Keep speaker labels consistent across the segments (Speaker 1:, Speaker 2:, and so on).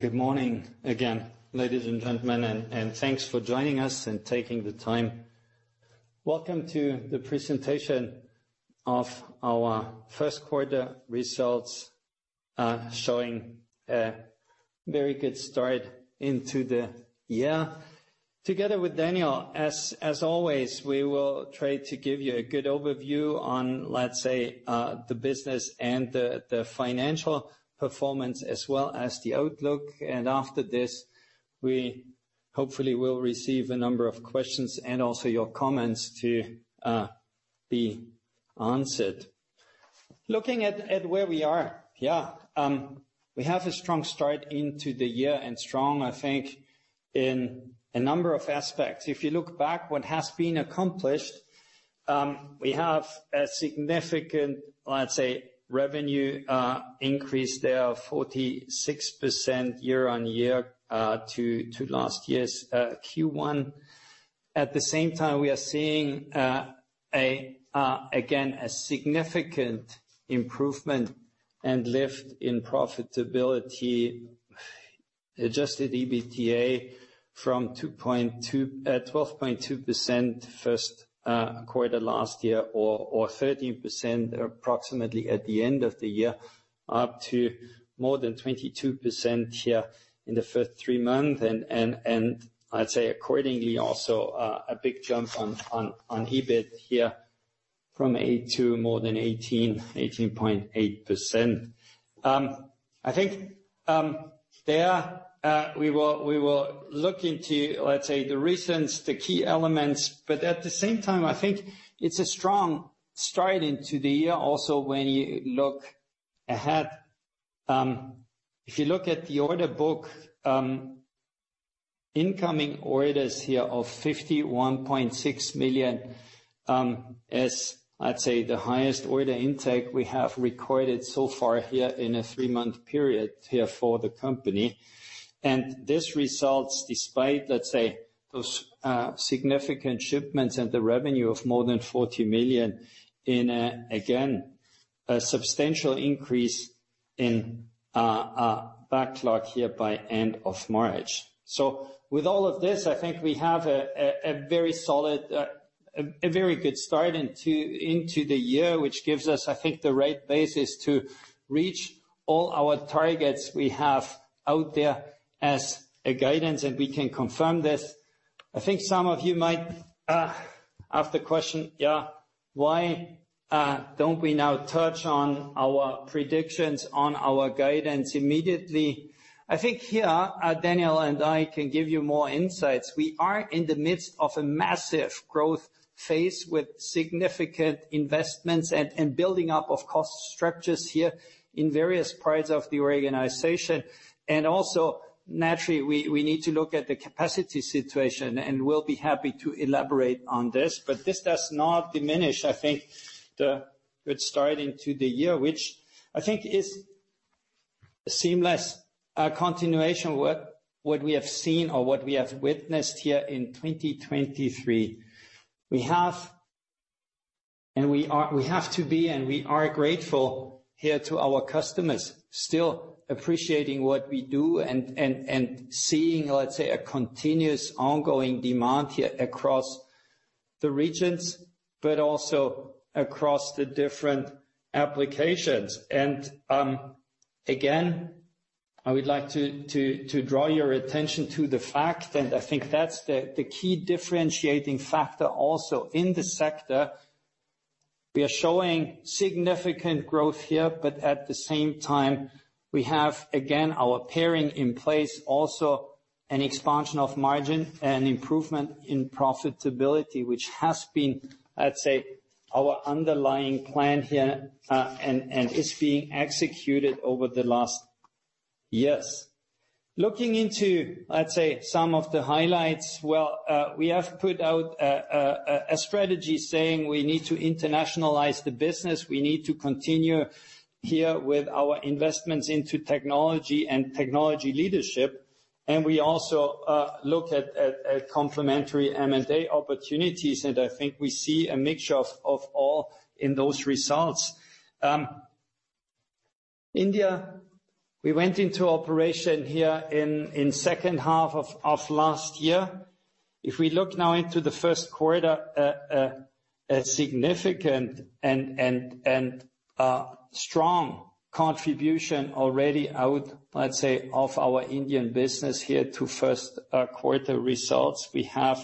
Speaker 1: Good morning again, ladies and gentlemen, and, and thanks for joining us and taking the time. Welcome to the presentation of our first quarter results, showing very good start into the year. Together with Daniel, as, as always, we will try to give you a good overview on, let's say, the business and the, the financial performance as well as the outlook. And after this, we hopefully will receive a number of questions and also your comments to be answered. Looking at, at where we are, yeah, we have a strong start into the year and strong, I think, in a number of aspects. If you look back what has been accomplished, we have a significant, let's say, revenue increase there of 46% year-over-year, to, to last year's Q1. At the same time, we are seeing, again, a significant improvement and lift in profitability adjusted EBITDA from 2.2%-12.2% first quarter last year or 13% approximately at the end of the year, up to more than 22% here in the first three months. And I'd say accordingly also a big jump on EBIT here from 8% to more than 18.8%. I think there we will look into, let's say, the reasons, the key elements. But at the same time, I think it's a strong start into the year also when you look ahead. If you look at the order book, incoming orders here of 51.6 million is, let's say, the highest order intake we have recorded so far here in a three-month period here for the company. This results, despite, let's say, those significant shipments and the revenue of more than 40 million, in a substantial increase in backlog here by end of March. So with all of this, I think we have a very solid, a very good start into the year, which gives us, I think, the right basis to reach all our targets we have out there as guidance. We can confirm this. I think some of you might ask the question, yeah, why don't we now touch on our predictions, on our guidance immediately? I think here, Daniel and I can give you more insights. We are in the midst of a massive growth phase with significant investments and building up of cost structures here in various parts of the organization. And also, naturally, we need to look at the capacity situation, and we'll be happy to elaborate on this. But this does not diminish, I think, the good start into the year, which I think is a seamless continuation of what we have seen or what we have witnessed here in 2023. We have to be, and we are grateful here to our customers, still appreciating what we do and seeing, let's say, a continuous ongoing demand here across the regions, but also across the different applications. And, again, I would like to draw your attention to the fact, and I think that's the key differentiating factor also in the sector. We are showing significant growth here, but at the same time, we have, again, our planning in place, also an expansion of margin and improvement in profitability, which has been, let's say, our underlying plan here, and is being executed over the last years. Looking into, let's say, some of the highlights, well, we have put out a strategy saying we need to internationalize the business. We need to continue here with our investments into technology and technology leadership. And we also look at complementary M&A opportunities, and I think we see a mixture of all in those results. India, we went into operation here in the second half of last year. If we look now into the first quarter, a significant and strong contribution already out, let's say, of our Indian business here to first quarter results. We have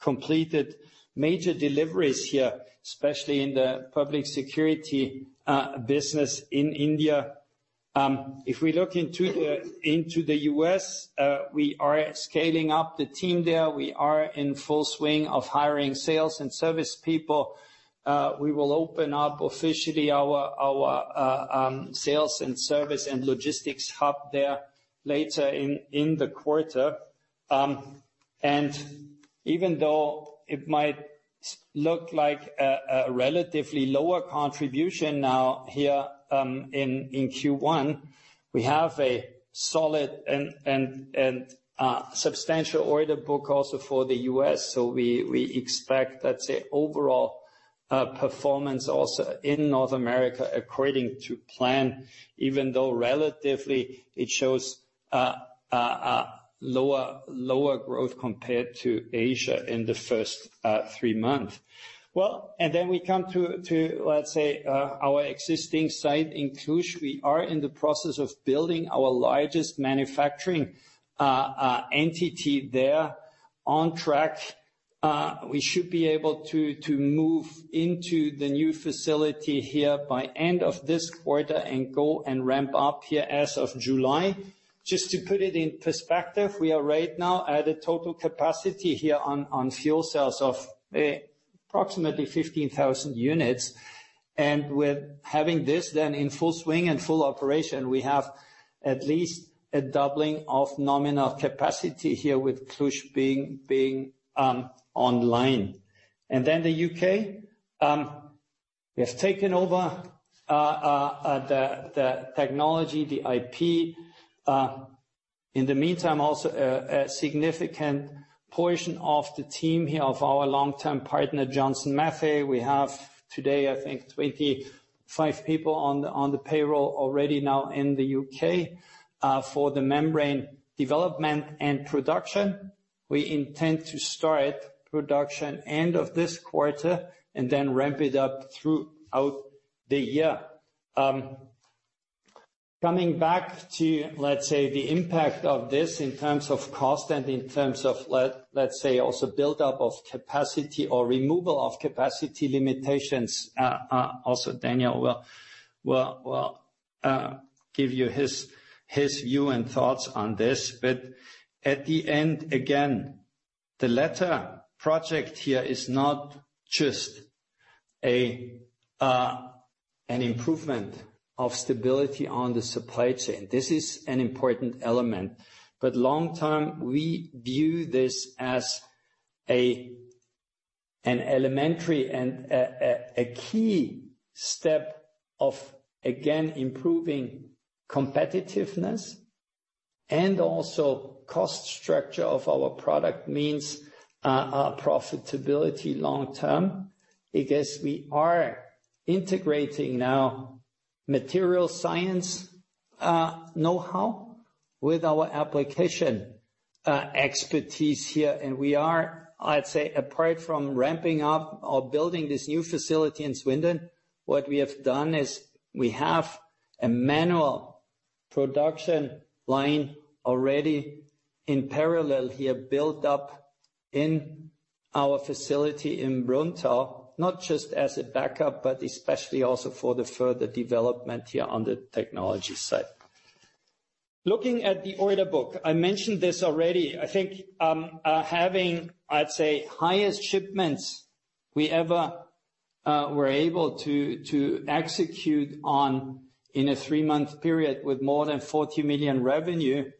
Speaker 1: completed major deliveries here, especially in the public security business in India. If we look into the U.S., we are scaling up the team there. We are in full swing of hiring sales and service people. We will open up officially our sales and service and logistics hub there later in the quarter. Even though it might look like a relatively lower contribution now here in Q1, we have a solid and substantial order book also for the U.S. So we expect, let's say, overall performance also in North America according to plan, even though relatively it shows lower growth compared to Asia in the first three months. Well, then we come to our existing site in Cluj. We are in the process of building our largest manufacturing entity there on track. We should be able to move into the new facility here by end of this quarter and go and ramp up here as of July. Just to put it in perspective, we are right now at a total capacity here on fuel cells of approximately 15,000 units. With having this then in full swing and full operation, we have at least a doubling of nominal capacity here with Cluj being online. Then the U.K., we have taken over the technology, the IP. In the meantime, also a significant portion of the team here of our long-term partner, Johnson Matthey. We have today, I think, 25 people on the payroll already now in the U.K., for the membrane development and production. We intend to start production end of this quarter and then ramp it up throughout the year. Coming back to, let's say, the impact of this in terms of cost and in terms of, let's say, also buildup of capacity or removal of capacity limitations. Also, Daniel will give you his view and thoughts on this. But at the end, again, the latter project here is not just an improvement of stability on the supply chain. This is an important element. But long-term, we view this as an elementary and a key step of, again, improving competitiveness and also cost structure of our product means, profitability long-term. I guess we are integrating now material science know-how with our application expertise here. And we are, I'd say, apart from ramping up or building this new facility in Swindon, what we have done is we have a manual production line already in parallel here built up in our facility in Brunnthal, not just as a backup, but especially also for the further development here on the technology side. Looking at the order book, I mentioned this already. I think, having, I'd say, highest shipments we ever were able to execute on in a three-month period with more than 40 million revenue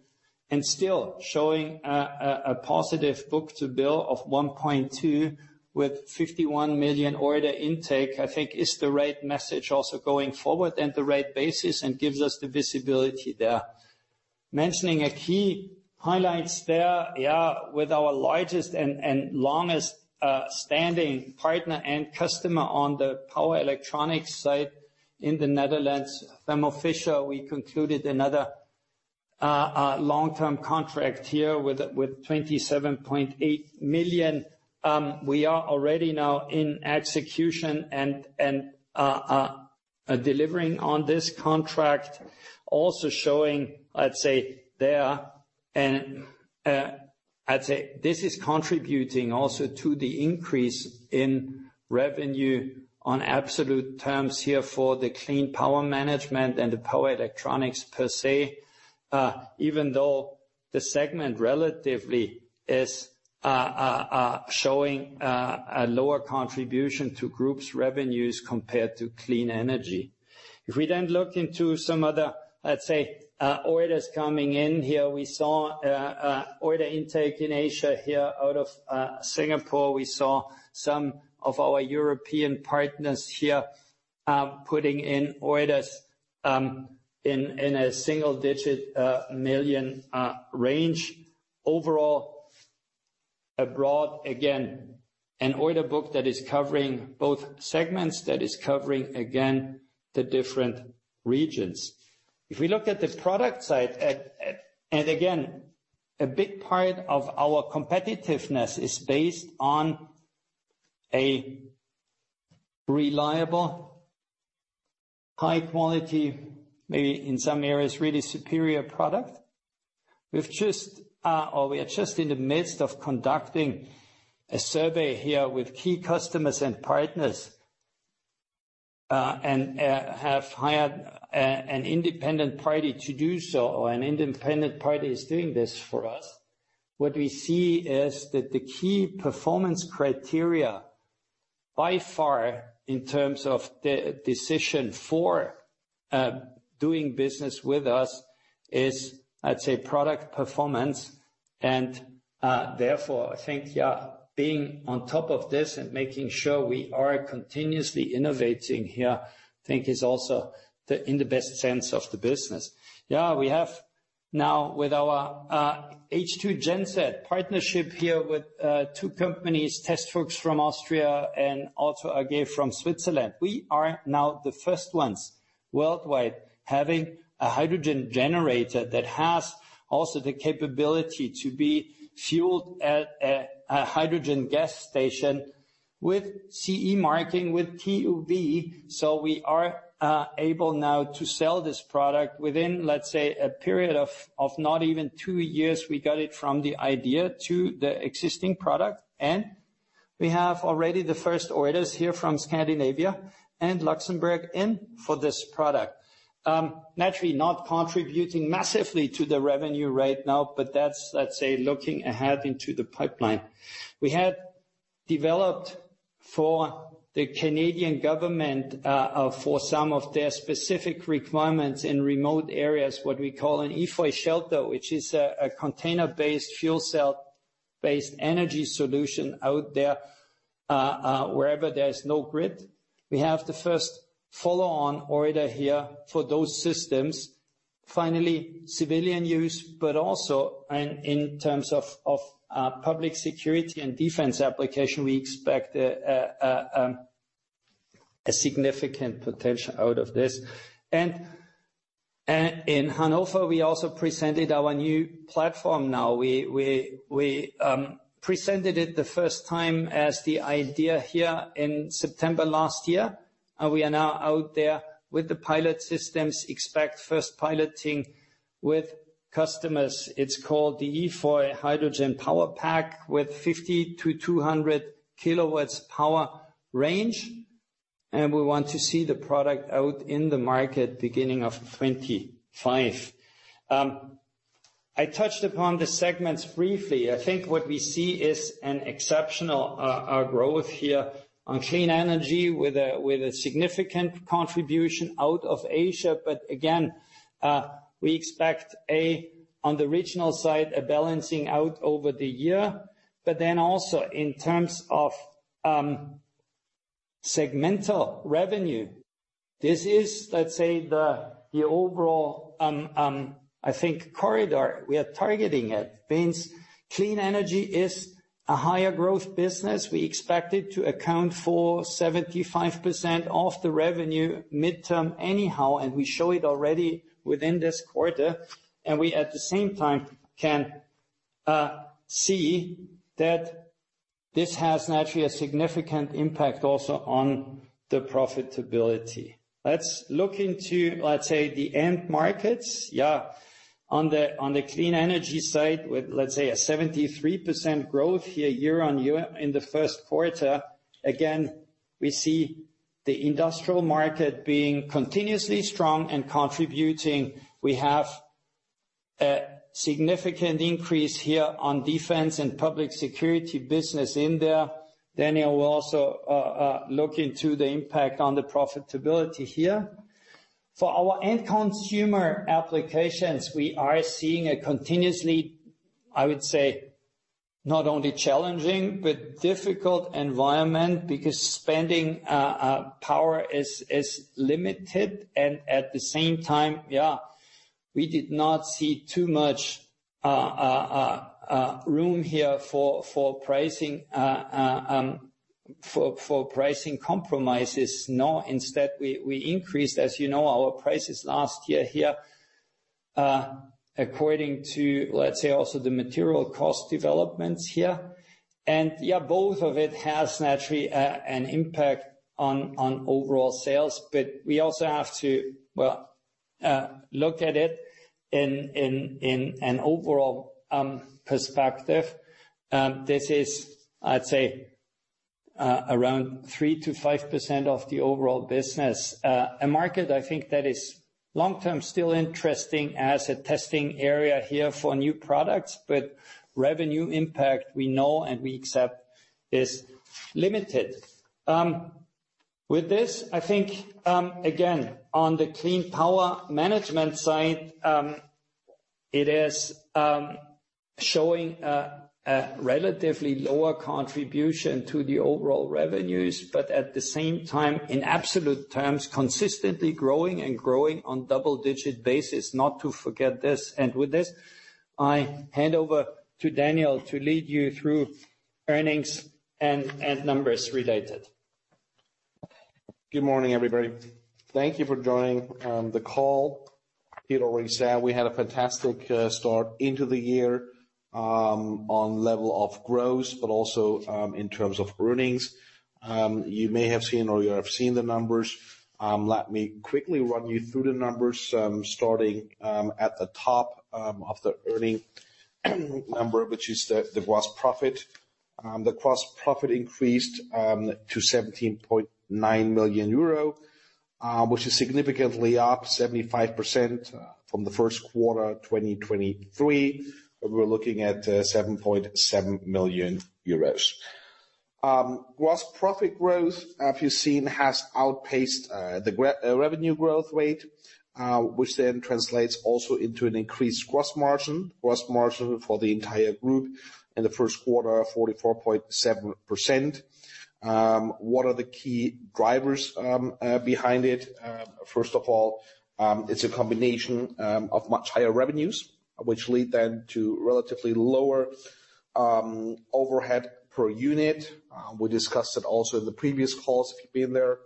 Speaker 1: and still showing a positive Book-to-bill of 1.2 with 51 million order intake, I think, is the right message also going forward and the right basis and gives us the visibility there. Mentioning key highlights there, yeah, with our largest and longest-standing partner and customer on the power electronics side in the Netherlands, Thermo Fisher, we concluded another long-term contract here with 27.8 million. We are already now in execution and delivering on this contract, also showing, let's say, there, and I'd say this is contributing also to the increase in revenue on absolute terms here for the Clean Power Management and the power electronics per se, even though the segment relatively is showing a lower contribution to Group revenues compared to Clean Energy. If we then look into some other, let's say, orders coming in here, we saw order intake in Asia here out of Singapore. We saw some of our European partners here putting in orders in the EUR single-digit million range. Overall, abroad, again, an order book that is covering both segments that is covering, again, the different regions. If we look at the product side, at, and again, a big part of our competitiveness is based on a reliable, high-quality, maybe in some areas really superior product. We've just, or we are just in the midst of conducting a survey here with key customers and partners, and have hired an independent party to do so, or an independent party is doing this for us. What we see is that the key performance criteria by far in terms of the decision for doing business with us is, I'd say, product performance. And therefore, I think, yeah, being on top of this and making sure we are continuously innovating here, I think, is also in the best sense of the business. Yeah, we have now with our H2Genset partnership here with two companies, TEST-FUCHS from Austria and also AG from Switzerland. We are now the first ones worldwide having a hydrogen generator that has also the capability to be fueled at a hydrogen gas station with CE marking, with TÜV. So we are able now to sell this product within, let's say, a period of not even two years. We got it from the idea to the existing product. And we have already the first orders here from Scandinavia and Luxembourg in for this product. Naturally, not contributing massively to the revenue right now, but that's, let's say, looking ahead into the pipeline. We had developed for the Canadian government, for some of their specific requirements in remote areas, what we call an EFOY ProShelter, which is a container-based, fuel cell-based energy solution out there, wherever there's no grid. We have the first follow-on order here for those systems. Finally, civilian use, but also in terms of public security and defense application, we expect a significant potential out of this. In Hannover, we also presented our new platform now. We presented it the first time as the idea here in September last year. We are now out there with the pilot systems, expect first piloting with customers. It's called the EFOY Hydrogen Power Pack with 50-200 kilowatts power range. We want to see the product out in the market beginning of 2025. I touched upon the segments briefly. I think what we see is an exceptional growth here on Clean Energy with a significant contribution out of Asia. But again, we expect, on the regional side, a balancing out over the year. But then also in terms of segmental revenue, this is, let's say, the overall, I think, corridor we are targeting. It means Clean Energy is a higher growth business. We expect it to account for 75% of the revenue midterm anyhow. And we show it already within this quarter. And we at the same time can see that this has naturally a significant impact also on the profitability. Let's look into, let's say, the end markets. Yeah. On the Clean Energy side with, let's say, a 73% growth here year-over-year in the first quarter. Again, we see the industrial market being continuously strong and contributing. We have a significant increase here on defense and public security business in there. Daniel will also look into the impact on the profitability here. For our end consumer applications, we are seeing a continuously, I would say, not only challenging, but difficult environment because spending power is limited. And at the same time, yeah, we did not see too much room here for pricing compromises. No, instead, we increased, as you know, our prices last year here, according to, let's say, also the material cost developments here. And yeah, both of it has naturally an impact on overall sales. But we also have to, well, look at it in an overall perspective. This is, I'd say, around 3%-5% of the overall business. A market I think that is long-term still interesting as a testing area here for new products, but revenue impact we know and we accept is limited. With this, I think, again, on the Clean Power Management side, it is showing a relatively lower contribution to the overall revenues, but at the same time, in absolute terms, consistently growing and growing on double-digit basis. Not to forget this. And with this, I hand over to Daniel to lead you through earnings and numbers related.
Speaker 2: Good morning, everybody. Thank you for joining the call. Peter already said we had a fantastic start into the year, on level of growth, but also, in terms of earnings. You may have seen or you have seen the numbers. Let me quickly run you through the numbers, starting at the top, of the earning number, which is the gross profit. The gross profit increased to 17.9 million euro, which is significantly up 75%, from the first quarter 2023, where we were looking at 7.7 million euros. Gross profit growth, if you've seen, has outpaced the revenue growth rate, which then translates also into an increased gross margin. Gross margin for the entire group in the first quarter, 44.7%. What are the key drivers behind it? First of all, it's a combination of much higher revenues, which lead then to relatively lower overhead per unit. We discussed it also in the previous calls if you've been there.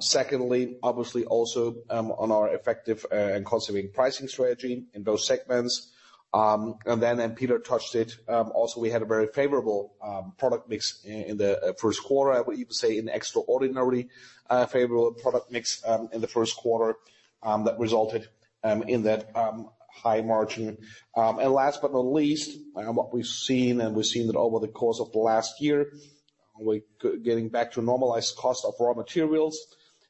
Speaker 2: Secondly, obviously also, on our effective and conservative pricing strategy in those segments. And then, and Peter touched it, also we had a very favorable product mix in the first quarter. I would even say an extraordinarily favorable product mix in the first quarter that resulted in that high margin. And last but not least, what we've seen, and we've seen that over the course of the last year, we're getting back to normalized cost of raw materials.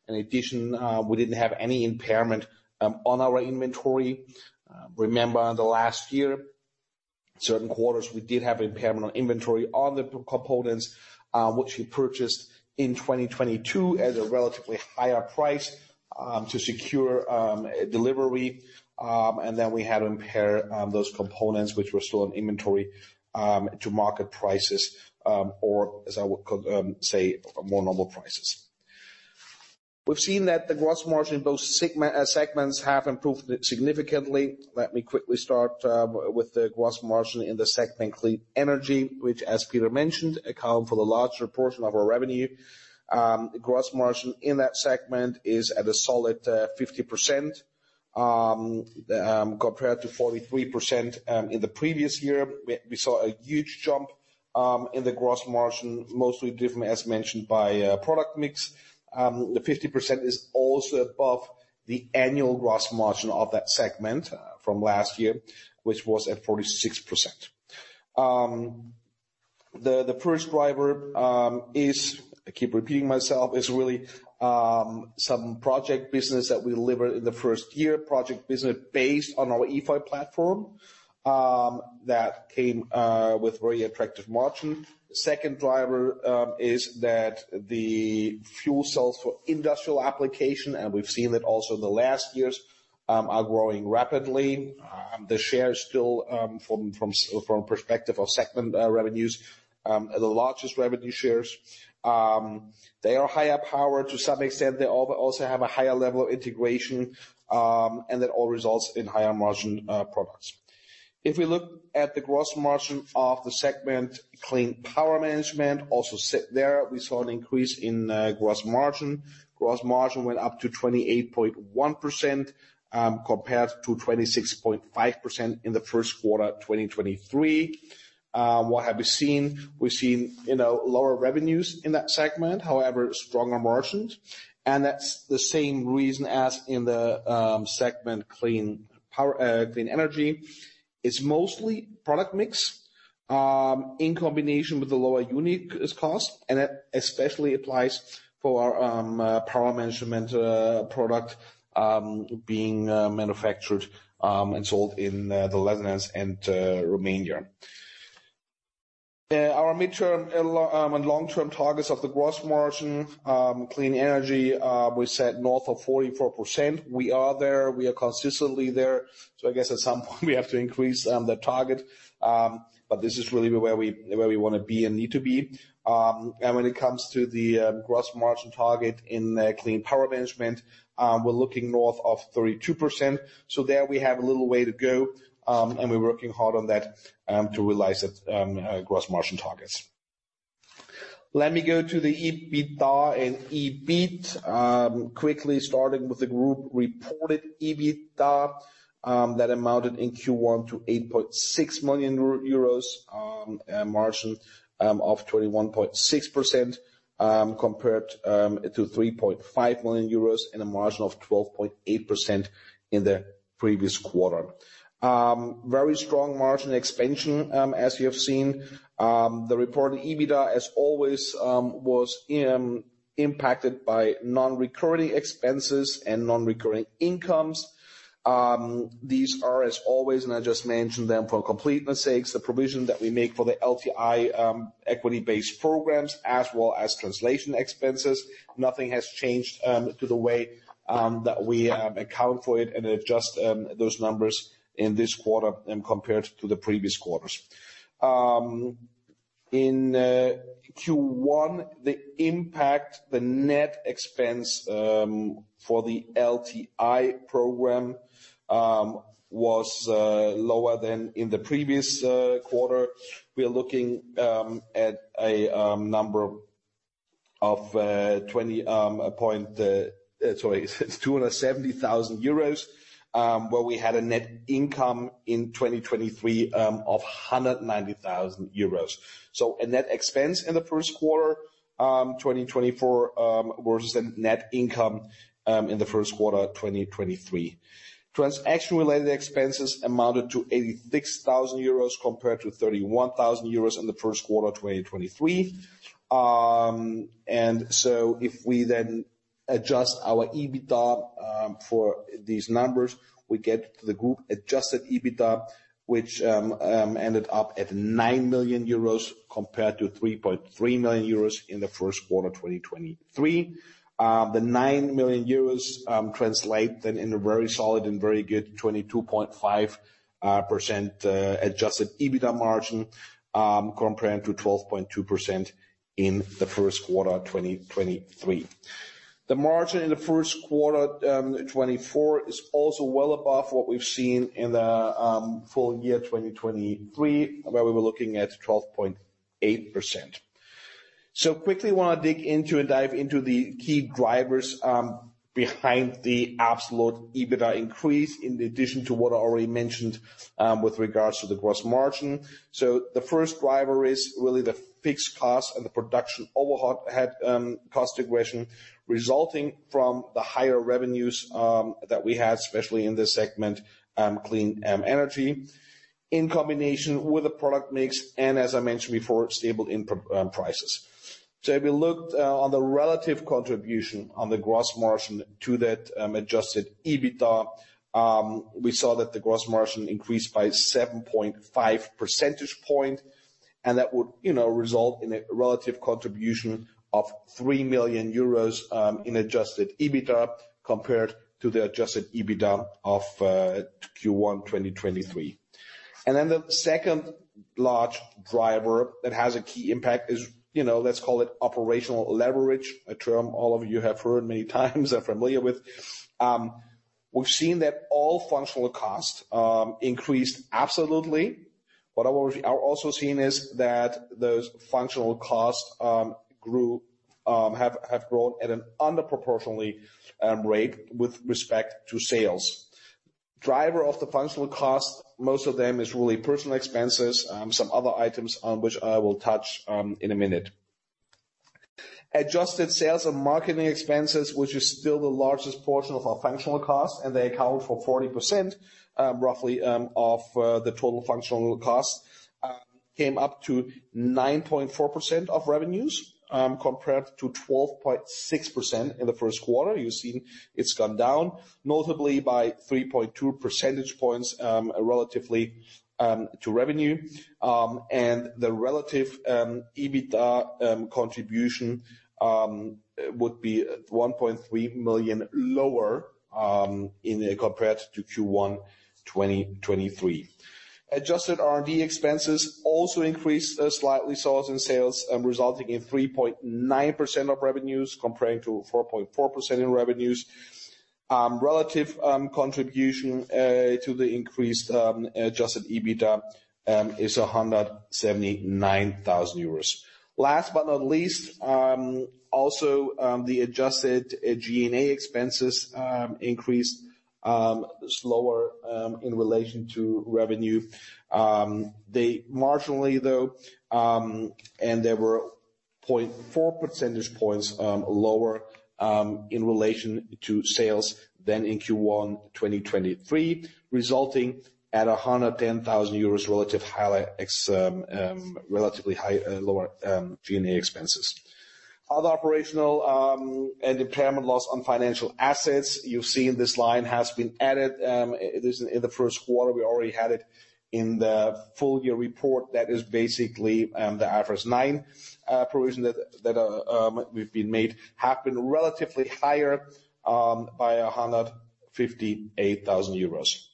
Speaker 2: In addition, we didn't have any impairment on our inventory. Remember in the last year, certain quarters, we did have impairment on inventory on the components, which we purchased in 2022 at a relatively higher price, to secure delivery. And then we had to impair those components, which were still in inventory, to market prices, or as I would say, more normal prices. We've seen that the gross margin in both segments have improved significantly. Let me quickly start with the gross margin in the segment Clean Energy, which, as Peter mentioned, account for the larger portion of our revenue. The gross margin in that segment is at a solid 50%, compared to 43% in the previous year. We saw a huge jump in the gross margin, mostly different, as mentioned, by product mix. The 50% is also above the annual gross margin of that segment from last year, which was at 46%. The first driver is, I keep repeating myself, is really some project business that we delivered in the first year, project business based on our EFOY platform, that came with very attractive margin. The second driver is that the fuel cells for industrial application, and we've seen that also in the last years, are growing rapidly. The share is still from a perspective of segment revenues the largest revenue shares. They are higher power to some extent. They also have a higher level of integration, and that all results in higher margin products. If we look at the gross margin of the segment Clean Power Management, also sits there, we saw an increase in gross margin. Gross margin went up to 28.1%, compared to 26.5% in the first quarter 2023. What have we seen? We've seen, you know, lower revenues in that segment, however, stronger margins. That's the same reason as in the segment Clean Power, Clean Energy. It's mostly product mix, in combination with the lower unit cost. And that especially applies for our power management product, being manufactured and sold in the Netherlands and Romania. Our midterm and long-term targets of the gross margin Clean Energy, we set north of 44%. We are there. We are consistently there. I guess at some point we have to increase that target. This is really where we, where we want to be and need to be. When it comes to the gross margin target in Clean Power Management, we're looking north of 32%. There we have a little way to go. We're working hard on that to realize that gross margin targets. Let me go to the EBITDA and EBIT quickly, starting with the group reported EBITDA that amounted in Q1 to 8.6 million euros, a margin of 21.6%, compared to 3.5 million euros, a margin of 12.8%, in the previous quarter. Very strong margin expansion, as you have seen. The reported EBITDA, as always, was impacted by non-recurring expenses and non-recurring incomes. These are, as always, and I just mentioned them for completeness sakes, the provision that we make for the LTI equity-based programs, as well as translation expenses. Nothing has changed to the way that we account for it and adjust those numbers in this quarter compared to the previous quarters. In Q1, the impact, the net expense, for the LTI program was lower than in the previous quarter. We are looking at a number of 270,000 euros, where we had a net income in 2023 of 190,000 euros. So a net expense in the first quarter 2024 versus a net income in the first quarter 2023. Transaction-related expenses amounted to EUR 86,000 compared to 31,000 euros in the first quarter 2023. So if we then adjust our EBITDA for these numbers, we get to the group adjusted EBITDA, which ended up at 9 million euros compared to 3.3 million euros in the first quarter 2023. The 9 million euros translate then in a very solid and very good 22.5% adjusted EBITDA margin, compared to 12.2% in the first quarter 2023. The margin in the first quarter 2024 is also well above what we've seen in the full-year 2023, where we were looking at 12.8%. So quickly want to dig into and dive into the key drivers behind the adjusted EBITDA increase in addition to what I already mentioned with regards to the gross margin. So the first driver is really the fixed costs and the production overhead cost absorption resulting from the higher revenues that we had, especially in this segment, Clean Energy, in combination with the product mix and, as I mentioned before, stable input prices. So if we looked on the relative contribution of the gross margin to that adjusted EBITDA, we saw that the gross margin increased by 7.5 percentage points. And that would, you know, result in a relative contribution of 3 million euros in adjusted EBITDA compared to the adjusted EBITDA of Q1 2023. And then the second large driver that has a key impact is, you know, let's call it operational leverage, a term all of you have heard many times, are familiar with. We've seen that all functional costs increased absolutely. What I've already are also seeing is that those functional costs have grown at an under-proportionate rate with respect to sales. Driver of the functional costs, most of them is really personnel expenses, some other items on which I will touch in a minute. Adjusted sales and marketing expenses, which is still the largest portion of our functional costs, and they account for 40%, roughly, of the total functional costs, came up to 9.4% of revenues, compared to 12.6% in the first quarter. You've seen it's gone down notably by 3.2 percentage points, relatively to revenue. and the relative EBITDA contribution would be 1.3 million lower compared to Q1 2023. Adjusted R&D expenses also increased slightly in sales, resulting in 3.9% of revenues compared to 4.4% in revenues. The relative contribution to the increased adjusted EBITDA is 179,000 euros. Last but not least, the adjusted G&A expenses also increased slower in relation to revenue. They increased marginally, though, and there were 0.4 percentage points lower in relation to sales than in Q1 2023, resulting in 110,000 euros relative contribution, highlighting relatively lower G&A expenses. Other operational and impairment loss on financial assets, you've seen this line has been added. This is in the first quarter. We already had it in the full-year report. That is basically the IFRS 9 provision that we've made has been relatively higher by 158,000 euros.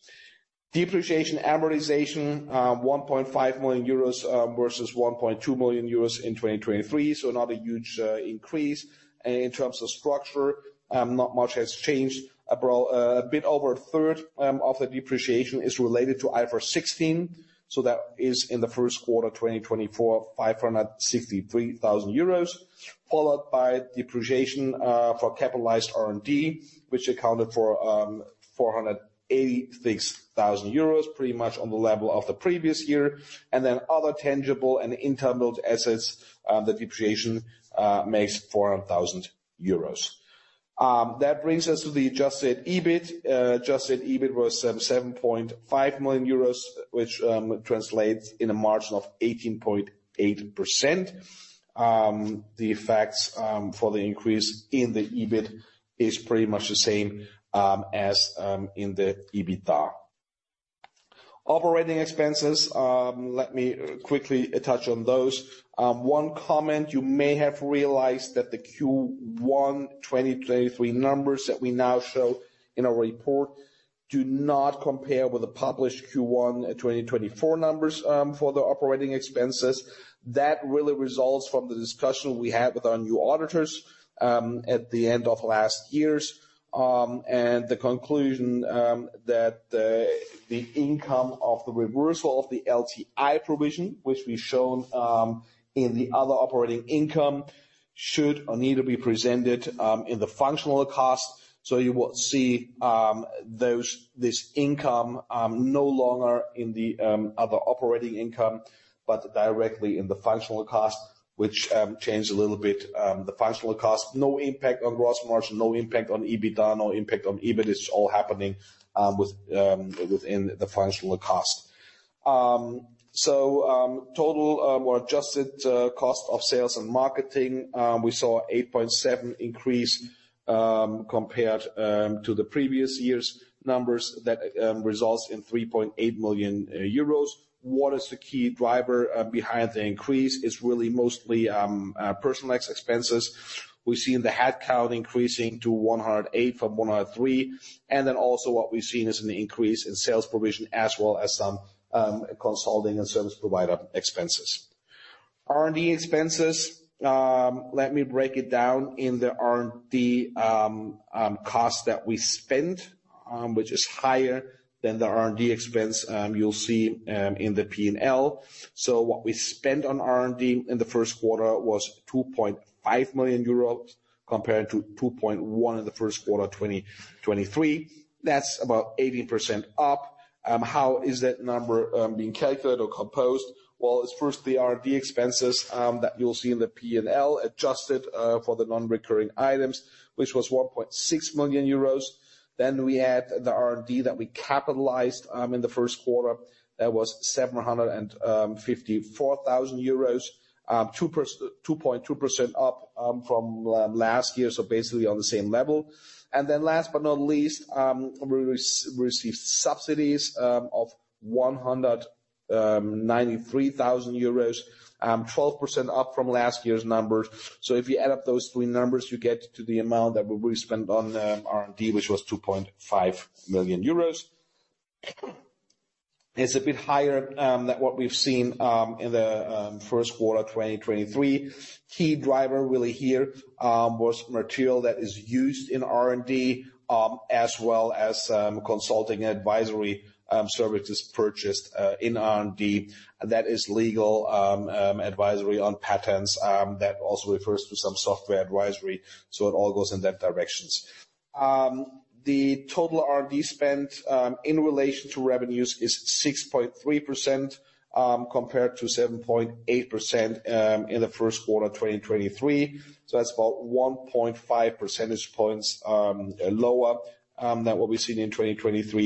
Speaker 2: Depreciation, amortization, 1.5 million euros versus 1.2 million euros in 2023. So not a huge increase. In terms of structure, not much has changed. A bit over a third of the depreciation is related to IFRS 16. So that is in the first quarter 2024, 563,000 euros, followed by depreciation for capitalized R&D, which accounted for 486,000 euros, pretty much on the level of the previous year. And then other tangible and intangible assets, the depreciation makes 400,000 euros. That brings us to the Adjusted EBIT. Adjusted EBIT was 7.5 million euros, which translates in a margin of 18.8%. The factors for the increase in the EBIT is pretty much the same as in the EBITDA. Operating expenses, let me quickly touch on those. One comment, you may have realized that the Q1 2023 numbers that we now show in our report do not compare with the published Q1 2024 numbers for the operating expenses. That really results from the discussion we had with our new auditors at the end of last year and the conclusion that the income of the reversal of the LTI provision, which we've shown in the other operating income, should or need to be presented in the functional cost. So you will see that this income no longer in the other operating income, but directly in the functional cost, which changed a little bit the functional cost. No impact on gross margin, no impact on EBITDA, no impact on EBIT. It's all happening within the functional cost. So total or adjusted cost of sales and marketing, we saw an 8.7% increase compared to the previous year's numbers that results in 3.8 million euros. What is the key driver behind the increase is really mostly personnel expenses. We've seen the headcount increasing to 108 from 103. Then also what we've seen is an increase in sales provision as well as some consulting and service provider expenses. R&D expenses, let me break it down in the R&D costs that we spent, which is higher than the R&D expense you'll see in the P&L. So what we spent on R&D in the first quarter was 2.5 million euros compared to 2.1 million in the first quarter 2023. That's about 18% up. How is that number being calculated or composed? Well, it's first the R&D expenses that you'll see in the P&L adjusted for the non-recurring items, which was 1.6 million euros. Then we had the R&D that we capitalized in the first quarter. That was 754,000 euros, 2.2% up from last year. So basically on the same level. And then last but not least, we received subsidies of 193,000 euros, 12% up from last year's numbers. So if you add up those three numbers, you get to the amount that we really spent on R&D, which was 2.5 million euros. It's a bit higher than what we've seen in the first quarter 2023. Key driver really here was material that is used in R&D, as well as consulting and advisory services purchased in R&D. That is legal advisory on patents, that also refers to some software advisory. So it all goes in that direction. The total R&D spent in relation to revenues is 6.3%, compared to 7.8% in the first quarter 2023. So that's about 1.5 percentage points lower than what we've seen in 2023.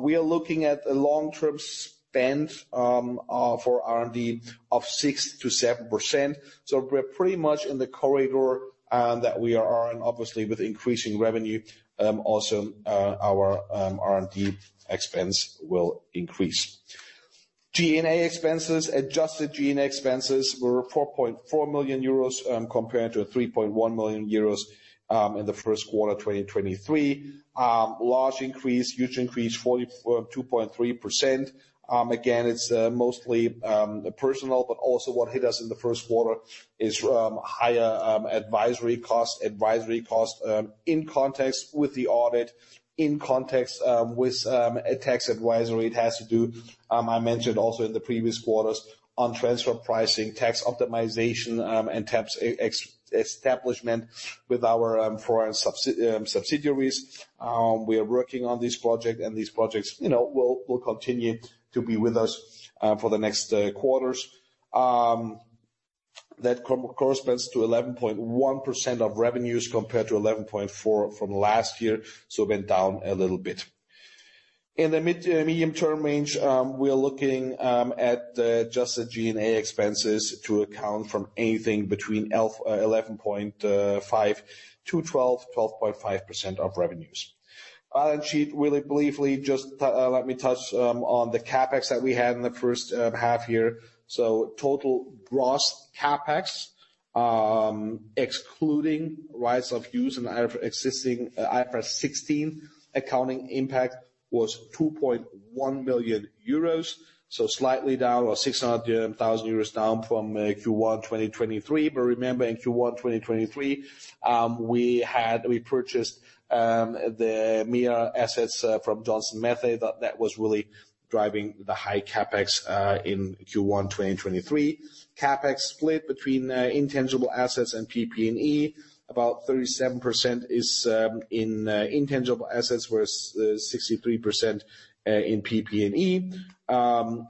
Speaker 2: We are looking at a long-term spend for R&D of 6%-7%. So we're pretty much in the corridor that we are and obviously with increasing revenue, also our R&D expense will increase. G&A expenses, adjusted G&A expenses were 4.4 million euros, compared to 3.1 million euros in the first quarter 2023. Large increase, huge increase, 42.3%. Again, it's mostly personnel, but also what hit us in the first quarter is higher advisory cost, advisory cost, in context with the audit, in context with a tax advisory. It has to do. I mentioned also in the previous quarters on transfer pricing, tax optimization, and tax establishment with our foreign subsidiaries. We are working on this project and these projects, you know, will continue to be with us for the next quarters. That corresponds to 11.1% of revenues compared to 11.4% from last year. So it went down a little bit. In the medium-term range, we are looking at the adjusted G&A expenses to account for anything between 11.5%-12.5% of revenues. Balance sheet, really briefly, just, let me touch on the CapEx that we had in the first half year. So total gross CapEx, excluding rights of use and IFRS 16 accounting impact was 2.1 million euros. So slightly down or 600,000 euros down from Q1 2023. But remember in Q1 2023, we had, we purchased the MEA assets from Johnson Matthey. That was really driving the high CapEx in Q1 2023. CapEx split between intangible assets and PP&E. About 37% is in intangible assets versus 63% in PP&E,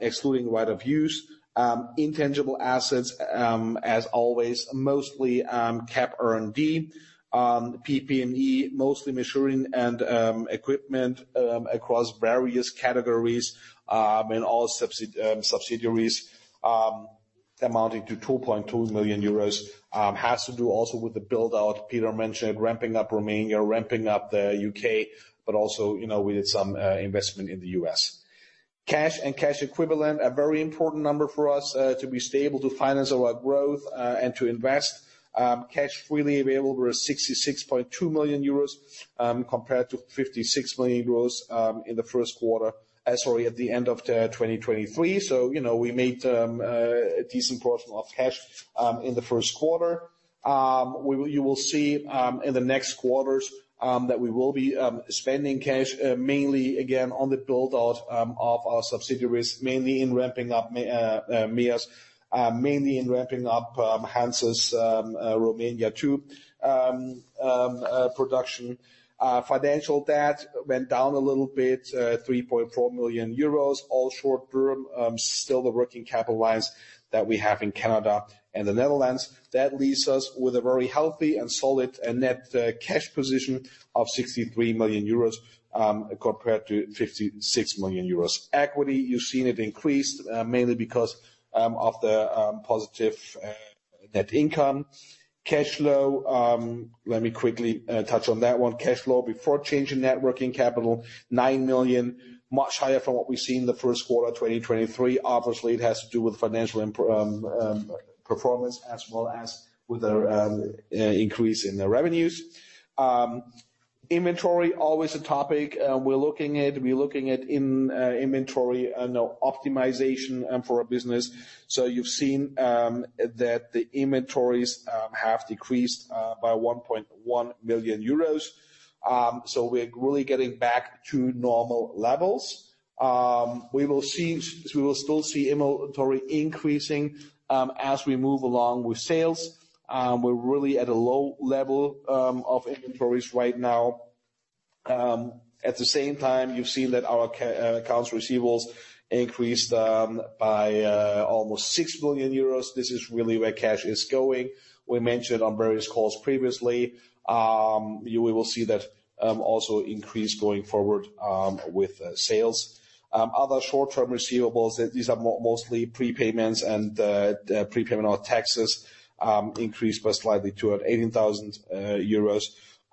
Speaker 2: excluding right of use. Intangible assets, as always, mostly CapEx R&D, PP&E, mostly measuring and equipment across various categories and all subsidiaries, amounting to 2.2 million euros, has to do also with the build-out. Peter mentioned it, ramping up Romania, ramping up the U.K., but also, you know, we did some investment in the U.S. Cash and cash equivalents are a very important number for us, to be stable to finance our growth, and to invest. Cash freely available was 66.2 million euros, compared to 56 million euros in the first quarter, sorry, at the end of 2023. So, you know, we made a decent portion of cash in the first quarter. We will, you will see, in the next quarters, that we will be spending cash, mainly again on the build-out of our subsidiaries, mainly in ramping up MEAs, mainly in ramping up Hansa's Romania to production. Financial debt went down a little bit, 3.4 million euros, all short-term, still the working capital lines that we have in Canada and the Netherlands. That leaves us with a very healthy and solid net cash position of 63 million euros, compared to 56 million euros. Equity, you've seen it increased, mainly because of the positive net income. Cash flow, let me quickly touch on that one. Cash flow before changing net working capital, 9 million, much higher from what we've seen in the first quarter 2023. Obviously, it has to do with financial performance as well as with our increase in the revenues. Inventory always a topic. We're looking at inventory, you know, optimization for a business. So you've seen that the inventories have decreased by 1.1 million euros. So we're really getting back to normal levels. We will see, we will still see inventory increasing as we move along with sales. We're really at a low level of inventories right now. At the same time, you've seen that our accounts receivables increased by almost 6 million euros. This is really where cash is going. We mentioned it on various calls previously. We will see that also increase going forward with sales. Other short-term receivables, that these are mostly prepayments and prepayment or taxes, increased slightly to 18,000 euros.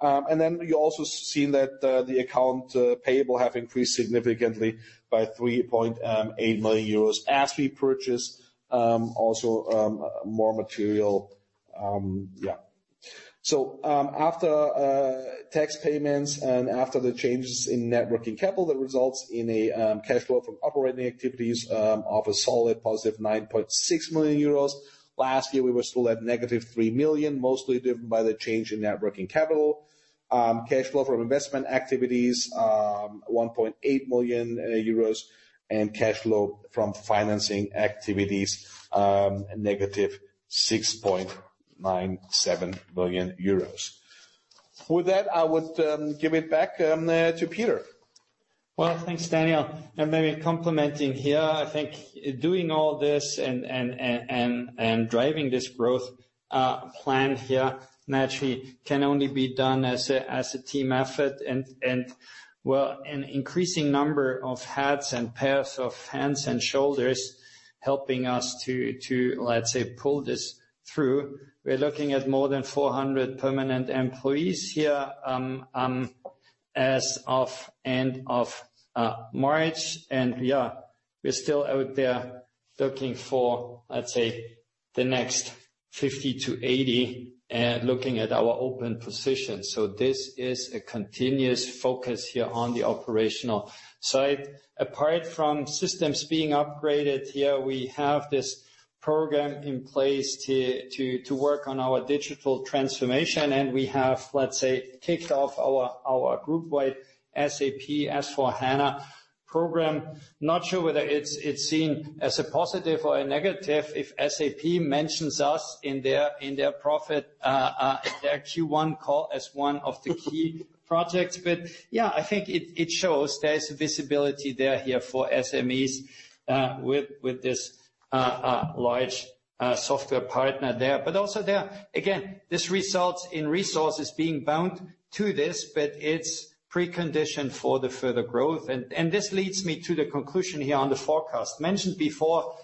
Speaker 2: And then you also seen that the accounts payable have increased significantly by 3.8 million euros as we purchase also more material. Yeah. So after tax payments and after the changes in working capital, that results in a cash flow from operating activities of a solid positive 9.6 million euros. Last year, we were still at negative 3 million, mostly driven by the change in working capital. Cash flow from investment activities, 1.8 million euros, and cash flow from financing activities, negative 6.97 million euros. With that, I would give it back to Peter.
Speaker 1: Well, thanks, Daniel. Maybe complementing here, I think doing all this and driving this growth plan here naturally can only be done as a team effort and, well, an increasing number of heads and pairs of hands and shoulders helping us to, let's say, pull this through. We're looking at more than 400 permanent employees here, as of end of March. Yeah, we're still out there looking for, let's say, the next 50-80, looking at our open position. So this is a continuous focus here on the operational side. Apart from systems being upgraded here, we have this program in place to work on our digital transformation. And we have, let's say, kicked off our group-wide SAP S/4HANA program. Not sure whether it's, it's seen as a positive or a negative if SAP mentions us in their, in their profit, in their Q1 call as one of the key projects. But yeah, I think it, it shows there's visibility there here for SMEs, with, with this, large, software partner there, but also there. Again, this results in resources being bound to this, but it's preconditioned for the further growth. And, and this leads me to the conclusion here on the forecast mentioned before.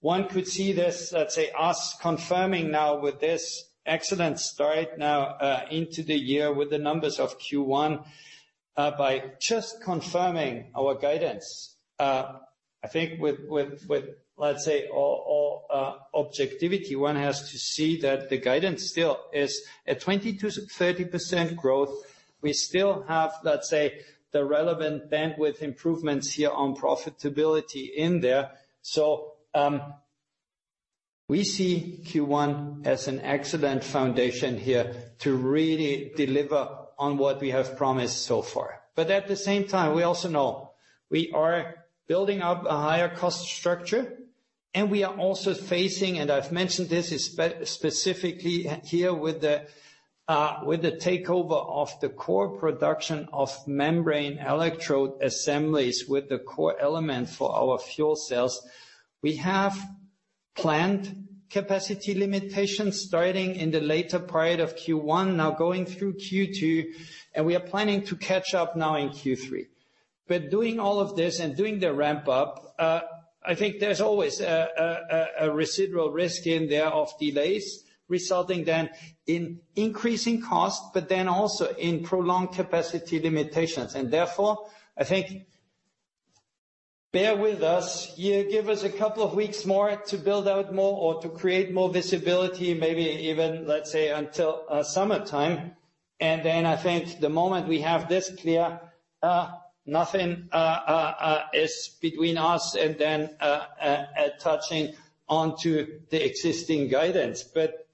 Speaker 1: One could see this, let's say, us confirming now with this excellent start now, into the year with the numbers of Q1, by just confirming our guidance. I think with, with, with, let's say, all, all, objectivity, one has to see that the guidance still is a 20%-30% growth. We still have, let's say, the relevant bandwidth improvements here on profitability in there. We see Q1 as an excellent foundation here to really deliver on what we have promised so far. But at the same time, we also know we are building up a higher cost structure. We are also facing, and I've mentioned this is specifically here with the takeover of the core production of membrane electrode assemblies with the core element for our fuel cells. We have planned capacity limitations starting in the later part of Q1, now going through Q2, and we are planning to catch up now in Q3. Doing all of this and doing the ramp-up, I think there's always a residual risk in there of delays resulting then in increasing cost, but then also in prolonged capacity limitations. And therefore, I think bear with us here, give us a couple of weeks more to build out more or to create more visibility, maybe even, let's say, until summertime. And then I think the moment we have this clear, nothing is between us and then touching onto the existing guidance. But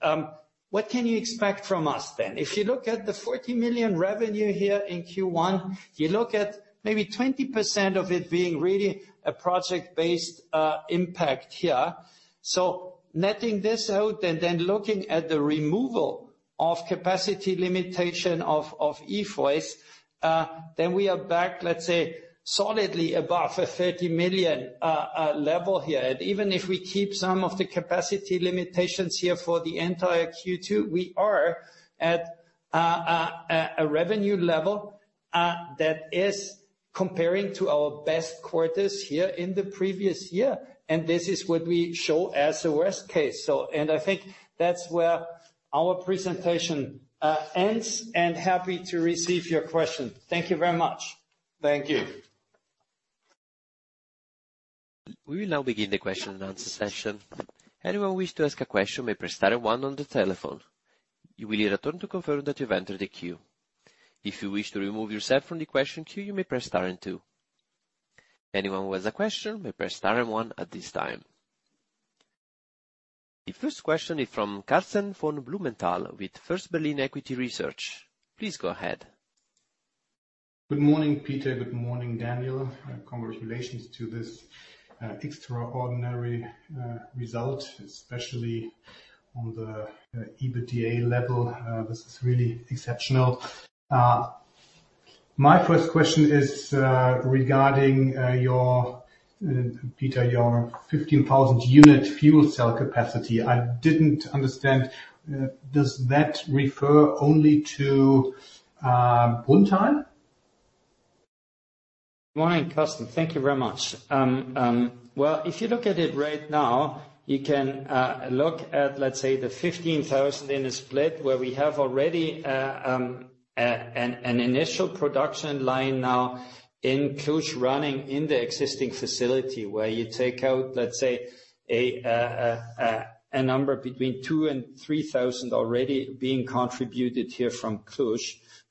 Speaker 1: what can you expect from us then? If you look at the 40 million revenue here in Q1, you look at maybe 20% of it being really a project-based impact here. So netting this out and then looking at the removal of capacity limitation of EFOY, then we are back, let's say, solidly above a 30 million level here. And even if we keep some of the capacity limitations here for the entire Q2, we are at a revenue level that is comparing to our best quarters here in the previous year. This is what we show as a worst case. I think that's where our presentation ends. Happy to receive your question. Thank you very much.
Speaker 2: Thank you.
Speaker 3: We will now begin the question-and-answer session. Anyone who wish to ask a question may press star and one on the telephone. You will hear a tone to confirm that you've entered the queue. If you wish to remove yourself from the question queue, you may press star and two. Anyone who has a question may press star and one at this time. The first question is from Karsten von Blumenthal with First Berlin Equity Research. Please go ahead.
Speaker 4: Good morning, Peter. Good morning, Daniel. Congratulations to this extraordinary result, especially on the EBITDA level. This is really exceptional. My first question is regarding your, Peter, your 15,000 unit fuel cell capacity. I didn't understand. Does that refer only to Brunnthal?
Speaker 1: Good morning, Karsten. Thank you very much. Well, if you look at it right now, you can look at, let's say, the 15,000 in a split where we have already an initial production line now in Cluj running in the existing facility where you take out, let's say, a number between 2,000 and 3,000 already being contributed here from Cluj.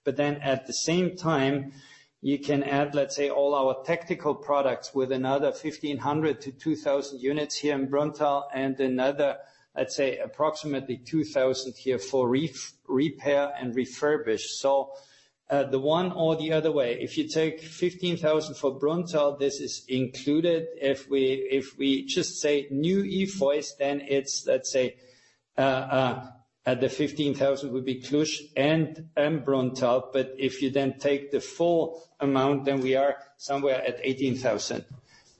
Speaker 1: But then at the same time, you can add, let's say, all our tactical products with another 1,500-2,000 units here in Brunnthal and another, let's say, approximately 2,000 here for repair and refurbish. So, the one or the other way, if you take 15,000 for Brunnthal, this is included. If we just say new EFOYs, then it's, let's say, the 15,000 would be Cluj and Brunnthal. If you then take the full amount, then we are somewhere at 18,000.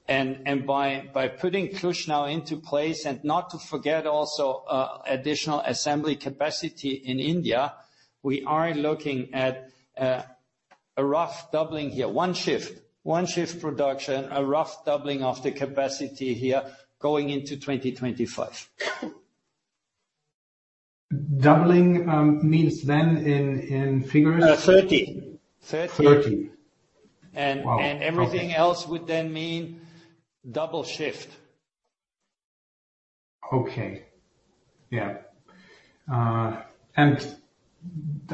Speaker 1: By putting Cluj now into place, and not to forget also additional assembly capacity in India, we are looking at a rough doubling here, one shift production, a rough doubling of the capacity here going into 2025.
Speaker 4: Doubling means then in figures?
Speaker 2: 30,000.
Speaker 1: And everything else would then mean double shift.
Speaker 4: Okay. Yeah.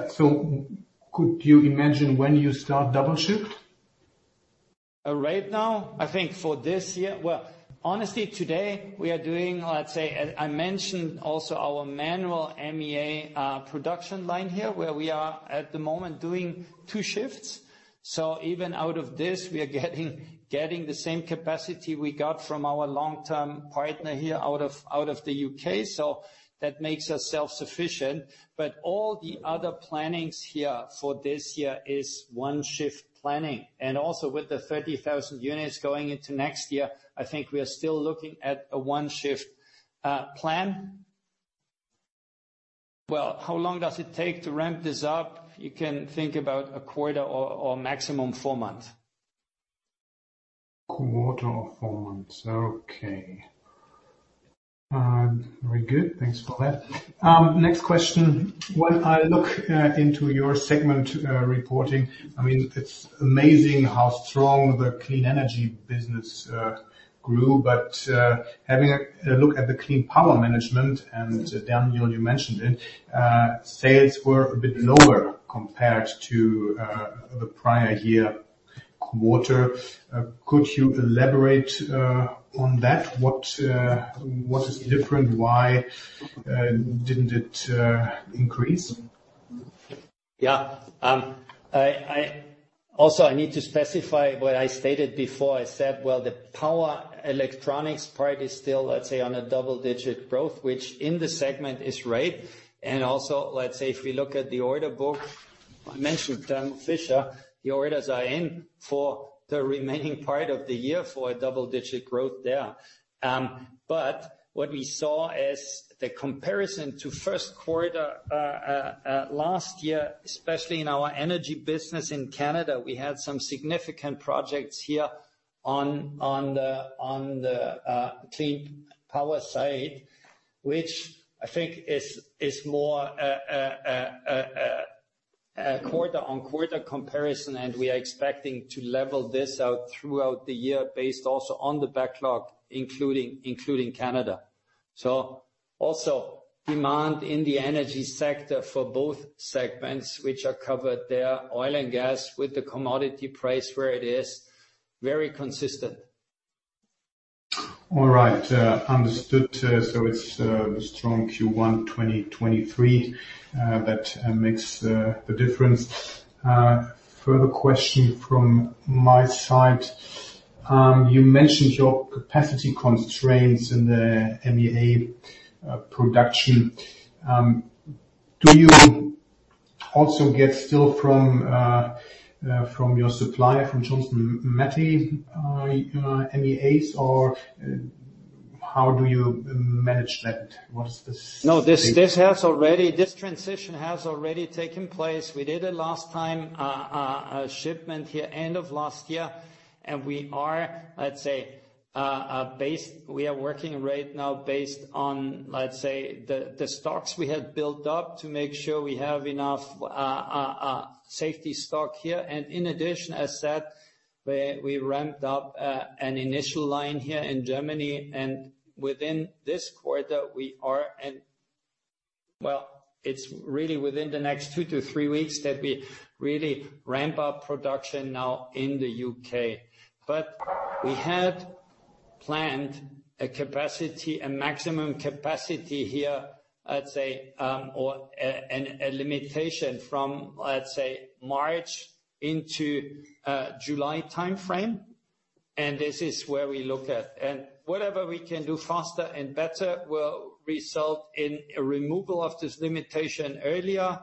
Speaker 4: So could you imagine when you start double shift?
Speaker 1: Right now? I think for this year, well, honestly, today, we are doing, let's say, I mentioned also our manual MEA production line here where we are at the moment doing two shifts. So even out of this, we are getting the same capacity we got from our long-term partner here out of the U.K. So that makes us self-sufficient. But all the other plannings here for this year is one shift planning. And also with the 30,000 units going into next year, I think we are still looking at a one shift plan.
Speaker 4: Well, how long does it take to ramp this up?
Speaker 1: You can think about a quarter or maximum four months.
Speaker 4: Quarter or four months. Okay. Very good. Thanks for that. Next question. When I look into your segment reporting, I mean, it's amazing how strong the Clean Energy business grew. But having a look at the Clean Power Management, and Daniel, you mentioned it, sales were a bit lower compared to the prior year quarter. Could you elaborate on that? What is different? Why didn't it increase?
Speaker 2: Yeah. I also need to specify what I stated before. I said, well, the power electronics part is still, let's say, on a double-digit growth, which in the segment is right. And also, let's say, if we look at the order book, I mentioned Thermo Fisher, the orders are in for the remaining part of the year for a double-digit growth there. But what we saw as the comparison to first quarter last year, especially in our energy business in Canada, we had some significant projects here on the clean power side, which I think is more quarter-on-quarter comparison. And we are expecting to level this out throughout the year based also on the backlog, including Canada. So also demand in the energy sector for both segments, which are covered there, oil and gas with the commodity price where it is very consistent.
Speaker 4: All right. Understood. So it's the strong Q1 2023 that makes the difference. Further question from my side. You mentioned your capacity constraints in the MEA production. Do you also still get from your supplier, from Johnson Matthey, MEAs, or how do you manage that? What is this?
Speaker 2: No, this transition has already taken place. We did it last year, shipment here end of last year. And we are, let's say, working right now based on the stocks we had built up to make sure we have enough safety stock here. And in addition, as said, we ramped up an initial line here in Germany. And within this quarter, well, it's really within the next two to three weeks that we really ramp up production now in the U.K. But we had planned a capacity, a maximum capacity here, let's say, or a limitation from, let's say, March into July timeframe. And this is where we look at. And whatever we can do faster and better will result in a removal of this limitation earlier.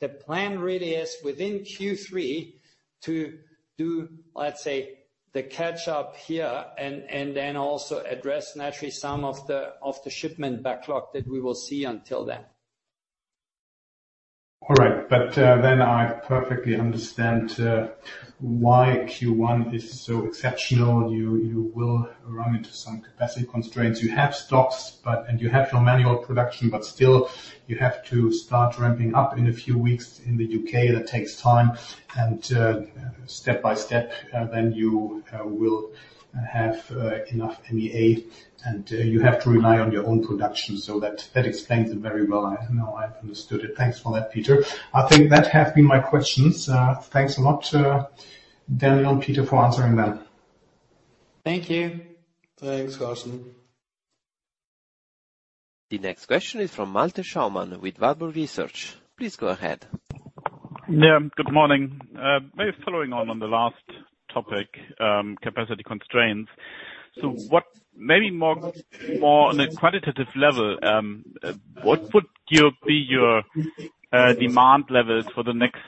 Speaker 2: The plan really is within Q3 to do, let's say, the catch-up here and then also address naturally some of the shipment backlog that we will see until then.
Speaker 4: All right. But then I perfectly understand why Q1 is so exceptional. You will run into some capacity constraints. You have stocks, but and you have your manual production, but still you have to start ramping up in a few weeks in the U.K. That takes time. And step by step, then you will have enough MEA. And you have to rely on your own production. So that explains it very well. I know I understood it. Thanks for that, Peter. I think that have been my questions. Thanks a lot, Daniel and Peter for answering them.
Speaker 1: Thank you.
Speaker 2: Thanks, Karsten.
Speaker 3: The next question is from Malte Schaumann with Warburg Research. Please go ahead.
Speaker 5: Yeah. Good morning. Maybe following on the last topic, capacity constraints. So what maybe more on a qualitative level, what would be your demand levels for the next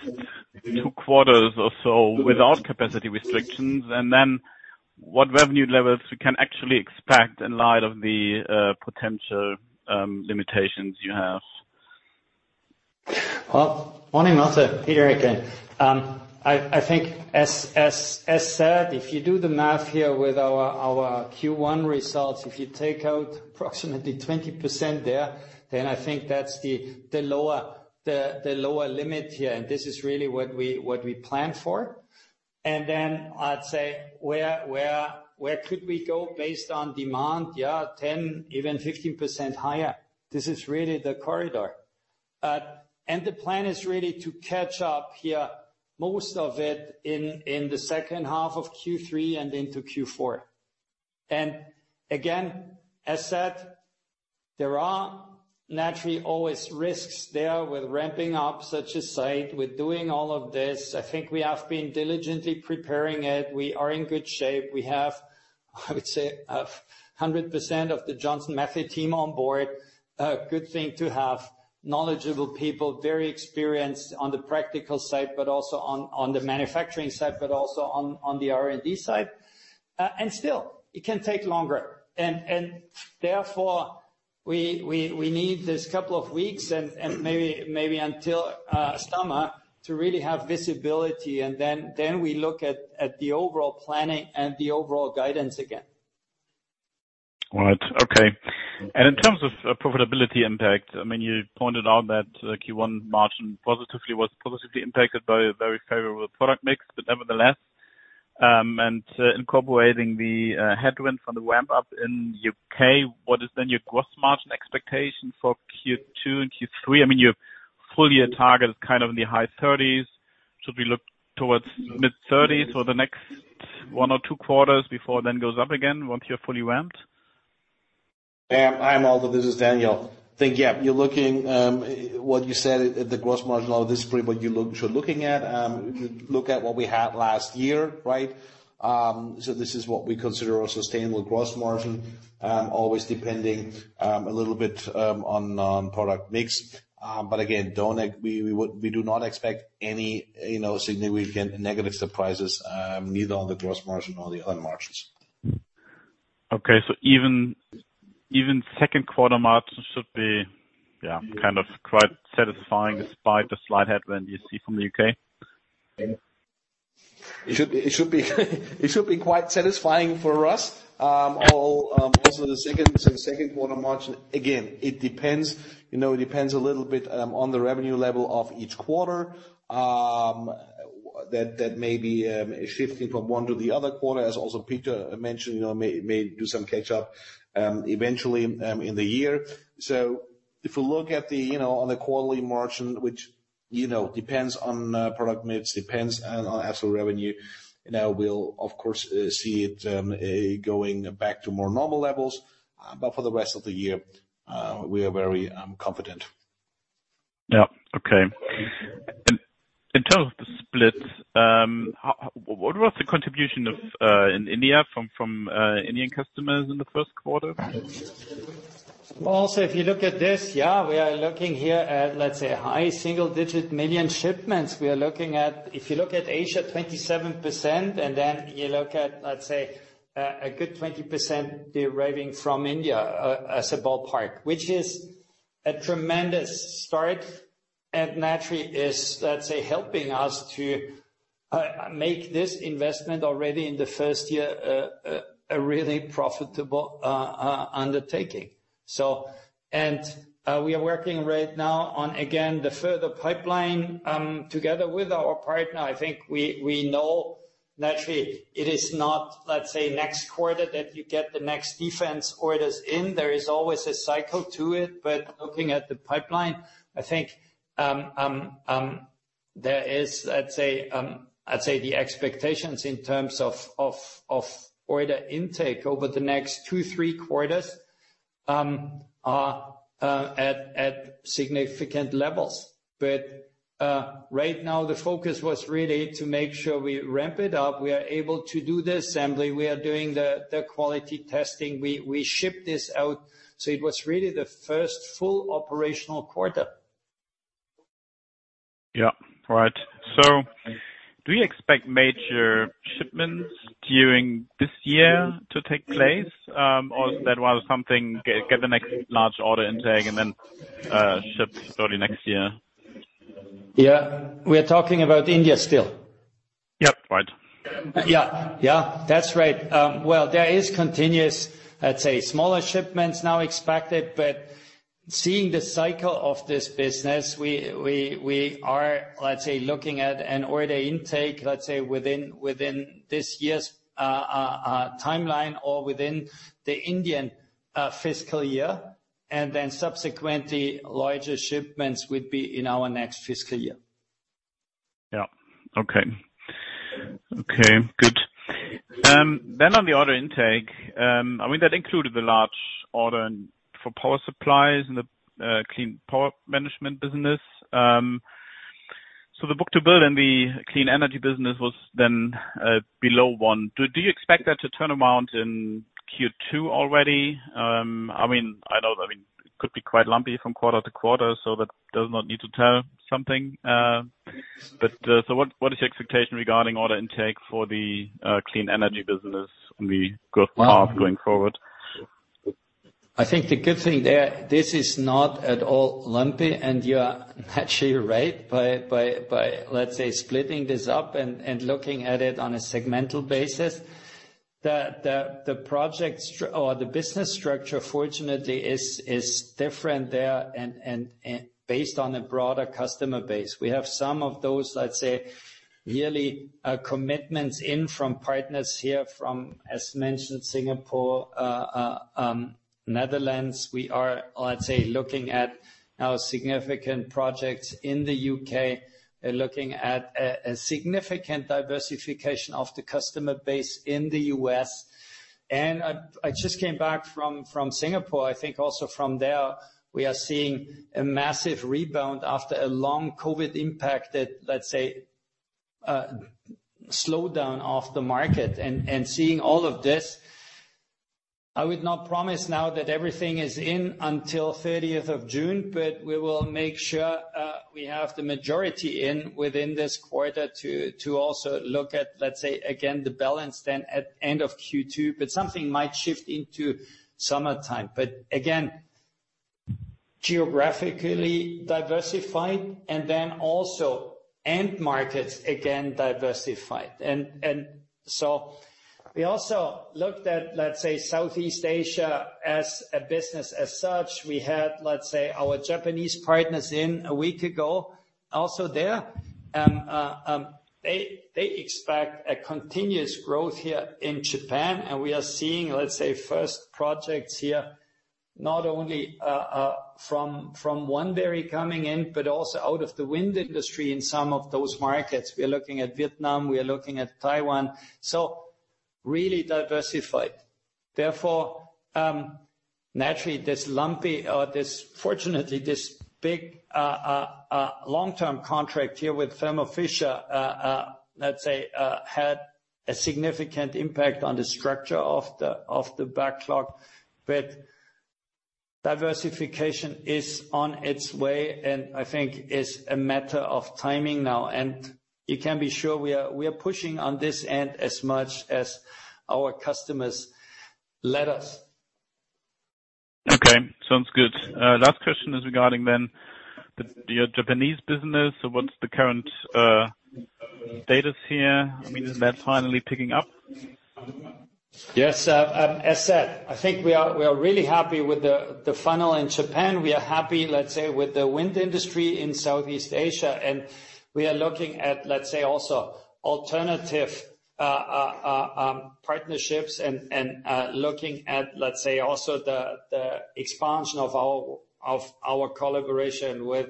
Speaker 5: two quarters or so without capacity restrictions? And then what revenue levels we can actually expect in light of the potential limitations you have?
Speaker 1: Well, morning, Malte. Peter here again. I think as said, if you do the math here with our Q1 results, if you take out approximately 20% there, then I think that's the lower limit here. This is really what we, what we plan for. And then I'd say where, where, where could we go based on demand? Yeah, 10%, even 15% higher. This is really the corridor. And the plan is really to catch up here, most of it in the second half of Q3 and into Q4. And again, as said, there are naturally always risks there with ramping up such as site, with doing all of this. I think we have been diligently preparing it. We are in good shape. We have, I would say, 100% of the Johnson Matthey team on board. A good thing to have knowledgeable people, very experienced on the practical side, but also on the manufacturing side, but also on the R&D side. And still, it can take longer. And therefore, we need this couple of weeks and maybe until summer to really have visibility. And then we look at the overall planning and the overall guidance again.
Speaker 5: All right. Okay. And in terms of profitability impact, I mean, you pointed out that Q1 margin was positively impacted by a very favorable product mix, but nevertheless, incorporating the headwind from the ramp-up in the U.K., what is then your gross margin expectation for Q2 and Q3? I mean, your full-year target is kind of in the high 30s. Should we look towards mid-30s for the next one or two quarters before it then goes up again once you're fully ramped?
Speaker 2: This is Daniel. I think, yeah, you're looking at what you said at the gross margin level, this is pretty much what you're looking at. Look at what we had last year, right? So this is what we consider our sustainable gross margin, always depending a little bit on product mix. But again, we do not expect any, you know, significant negative surprises, neither on the gross margin nor the other margins.
Speaker 5: Okay. So even second quarter margin should be, yeah, kind of quite satisfying despite the slight headwind you see from the U.K.?
Speaker 2: It should be quite satisfying for us. Also the second quarter margin, again, it depends, you know. It depends a little bit on the revenue level of each quarter. That may be shifting from one to the other quarter, as also Peter mentioned, you know, may do some catch-up eventually in the year. So if we look at the, you know, on the quarterly margin, which, you know, depends on product mix, depends on absolute revenue, you know, we'll, of course, see it going back to more normal levels. But for the rest of the year, we are very confident.
Speaker 5: Yeah. Okay. And in terms of the split, what was the contribution of in India from Indian customers in the first quarter?
Speaker 1: Well, also if you look at this, yeah, we are looking here at, let's say, high single-digit million shipments. We are looking at, if you look at Asia, 27%, and then you look at, let's say, a good 20% deriving from India, as a ballpark, which is a tremendous start. And naturally it's, let's say, helping us to make this investment already in the first year a really profitable undertaking. So, we are working right now on, again, the further pipeline, together with our partner. I think we know naturally it is not, let's say, next quarter that you get the next defense orders in. There is always a cycle to it. But looking at the pipeline, I think there is, let's say, I'd say the expectations in terms of order intake over the next two, three quarters are at significant levels. But right now, the focus was really to make sure we ramp it up. We are able to do the assembly. We are doing the quality testing. We ship this out. So it was really the first full operational quarter.
Speaker 5: Yeah. All right. So do you expect major shipments during this year to take place, or that was something, get the next large order intake and then ship early next year?
Speaker 1: Yeah. We are talking about India still.
Speaker 5: Yep. Right.
Speaker 1: Yeah. Yeah. That's right. Well, there is continuous, let's say, smaller shipments now expected. But seeing the cycle of this business, we are, let's say, looking at an order intake, let's say, within this year's timeline or within the Indian fiscal year. And then subsequently, larger shipments would be in our next fiscal year.
Speaker 5: Yeah. Okay. Okay. Good. Then on the order intake, I mean, that included the large order for power supplies in the Clean Power Management business. So the book-to-bill in the Clean Energy business was then below one. Do you expect that to turn around in Q2 already? I mean, I know, I mean, it could be quite lumpy from quarter to quarter, so that does not need to tell something. So what is your expectation regarding order intake for the Clean Energy business on the growth path going forward?
Speaker 1: I think the good thing there, this is not at all lumpy. And you're naturally right by, let's say, splitting this up and looking at it on a segmental basis. The project or the business structure, fortunately, is different there and based on a broader customer base. We have some of those, let's say, yearly commitments in from partners here from, as mentioned, Singapore, Netherlands. We are, let's say, looking at now significant projects in the U.K., looking at a significant diversification of the customer base in the U.S. And I just came back from Singapore. I think also from there, we are seeing a massive rebound after a long COVID-impacted, let's say, slowdown of the market. Seeing all of this, I would not promise now that everything is in until 30th of June, but we will make sure we have the majority in within this quarter to also look at, let's say, again, the balance then at end of Q2, but something might shift into summertime. But again, geographically diversified and then also end markets again diversified. So we also looked at, let's say, Southeast Asia as a business as such. We had, let's say, our Japanese partners in a week ago also there. They, they expect a continuous growth here in Japan. And we are seeing, let's say, first projects here not only from Oneberry coming in, but also out of the wind industry in some of those markets. We are looking at Vietnam. We are looking at Taiwan. So really diversified. Therefore, naturally this lumpy, fortunately, this big, long-term contract here with Thermo Fisher, let's say, had a significant impact on the structure of the backlog. But diversification is on its way and I think is a matter of timing now. And you can be sure we are, we are pushing on this end as much as our customers let us.
Speaker 5: Okay. Sounds good. Last question is regarding then the your Japanese business. So what's the current status here? I mean, is that finally picking up?
Speaker 1: Yes. As said, I think we are, we are really happy with the funnel in Japan. We are happy, let's say, with the wind industry in Southeast Asia. And we are looking at, let's say, also alternative partnerships and looking at, let's say, also the expansion of our collaboration with,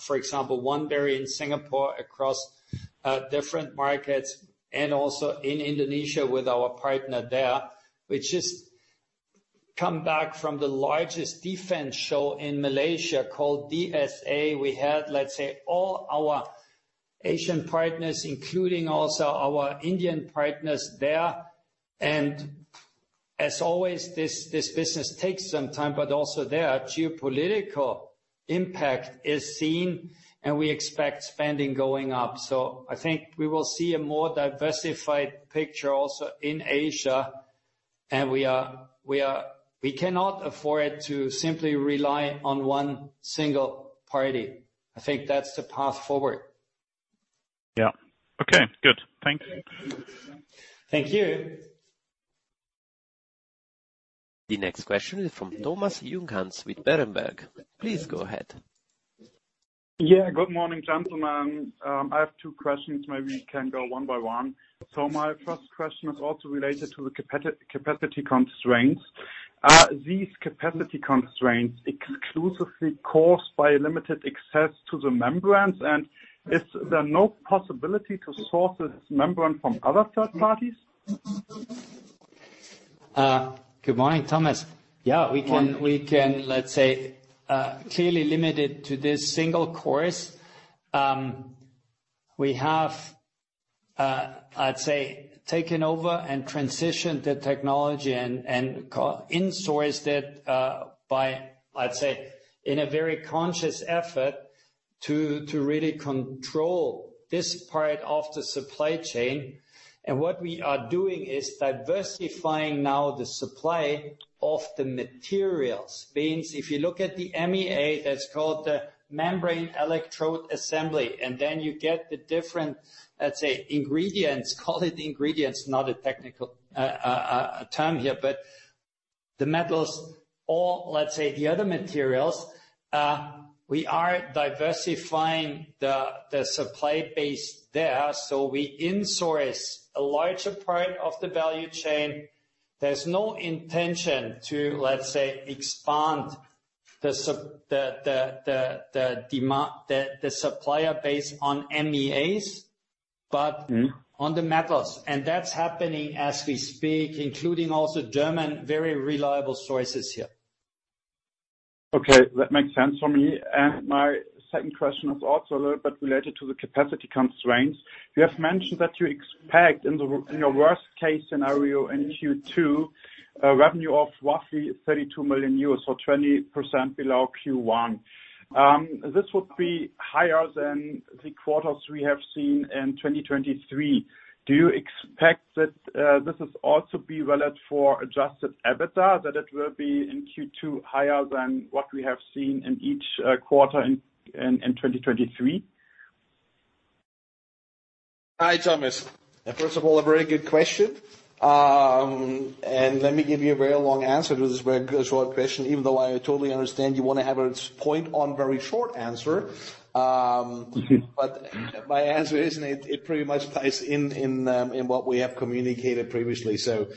Speaker 1: for example, Oneberry in Singapore across different markets and also in Indonesia with our partner there, which is come back from the largest defense show in Malaysia called DSA. We had, let's say, all our Asian partners, including also our Indian partners there. And as always, this business takes some time, but also their geopolitical impact is seen and we expect spending going up. So I think we will see a more diversified picture also in Asia. And we cannot afford to simply rely on one single party. I think that's the path forward.
Speaker 5: Yeah. Okay. Good. Thanks.
Speaker 1: Thank you.
Speaker 3: The next question is from Thomas Junghanns with Berenberg. Please go ahead.
Speaker 6: Yeah. Good morning, gentlemen. I have two questions. Maybe we can go one by one. So my first question is also related to the capacity constraints. Are these capacity constraints exclusively caused by a limited access to the membranes? And is there no possibility to source this membrane from other third parties?
Speaker 1: Good morning, Thomas. Yeah. We can, we can, let's say, we're clearly limited to this single source. We have, I'd say, taken over and transitioned the technology and, and insourced it, by, let's say, in a very conscious effort to, to really control this part of the supply chain. And what we are doing is diversifying now the supply of the materials. Means if you look at the MEA, that's called the membrane electrode assembly. And then you get the different, let's say, ingredients, call it ingredients, not a technical term here, but the metals or, let's say, the other materials, we are diversifying the supply base there. So we insource a larger part of the value chain. There's no intention to, let's say, expand the supplier base on MEAs, but on the metals. And that's happening as we speak, including also German, very reliable sources here.
Speaker 6: Okay. That makes sense for me. And my second question is also a little bit related to the capacity constraints. You have mentioned that you expect in your worst case scenario in Q2, a revenue of roughly 32 million euros, so 20% below Q1. This would be higher than the quarters we have seen in 2023. Do you expect that this is also be valid for Adjusted EBITDA, that it will be in Q2 higher than what we have seen in each quarter in 2023?
Speaker 2: Hi, Thomas. First of all, a very good question. Let me give you a very long answer to this very short question, even though I totally understand you want to have a point on very short answer. But my answer isn't it pretty much plays in what we have communicated previously. So,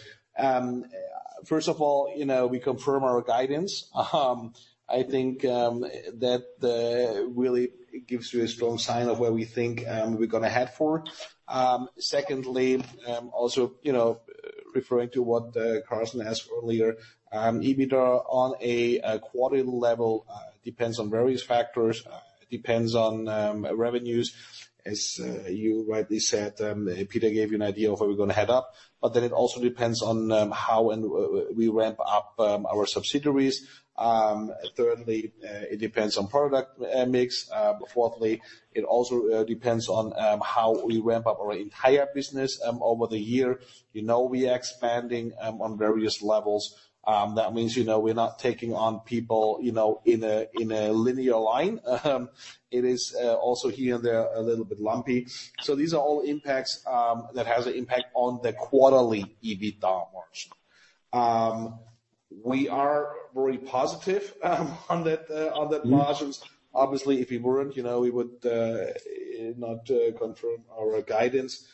Speaker 2: first of all, you know, we confirm our guidance. I think that really gives you a strong sign of where we think we're going to head for. Secondly, also, you know, referring to what Karsten asked earlier, EBITDA on a quarterly level depends on various factors, depends on revenues. As you rightly said, Peter gave you an idea of where we're going to head up. But then it also depends on how and we ramp up our subsidiaries. Thirdly, it depends on product mix. Fourthly, it also depends on how we ramp up our entire business over the year. You know, we are expanding on various levels. That means, you know, we're not taking on people, you know, in a, in a linear line. It is also here and there a little bit lumpy. So these are all impacts that has an impact on the quarterly EBITDA margin. We are very positive on that, on that margin. Obviously, if we weren't, you know, we would not confirm our guidance.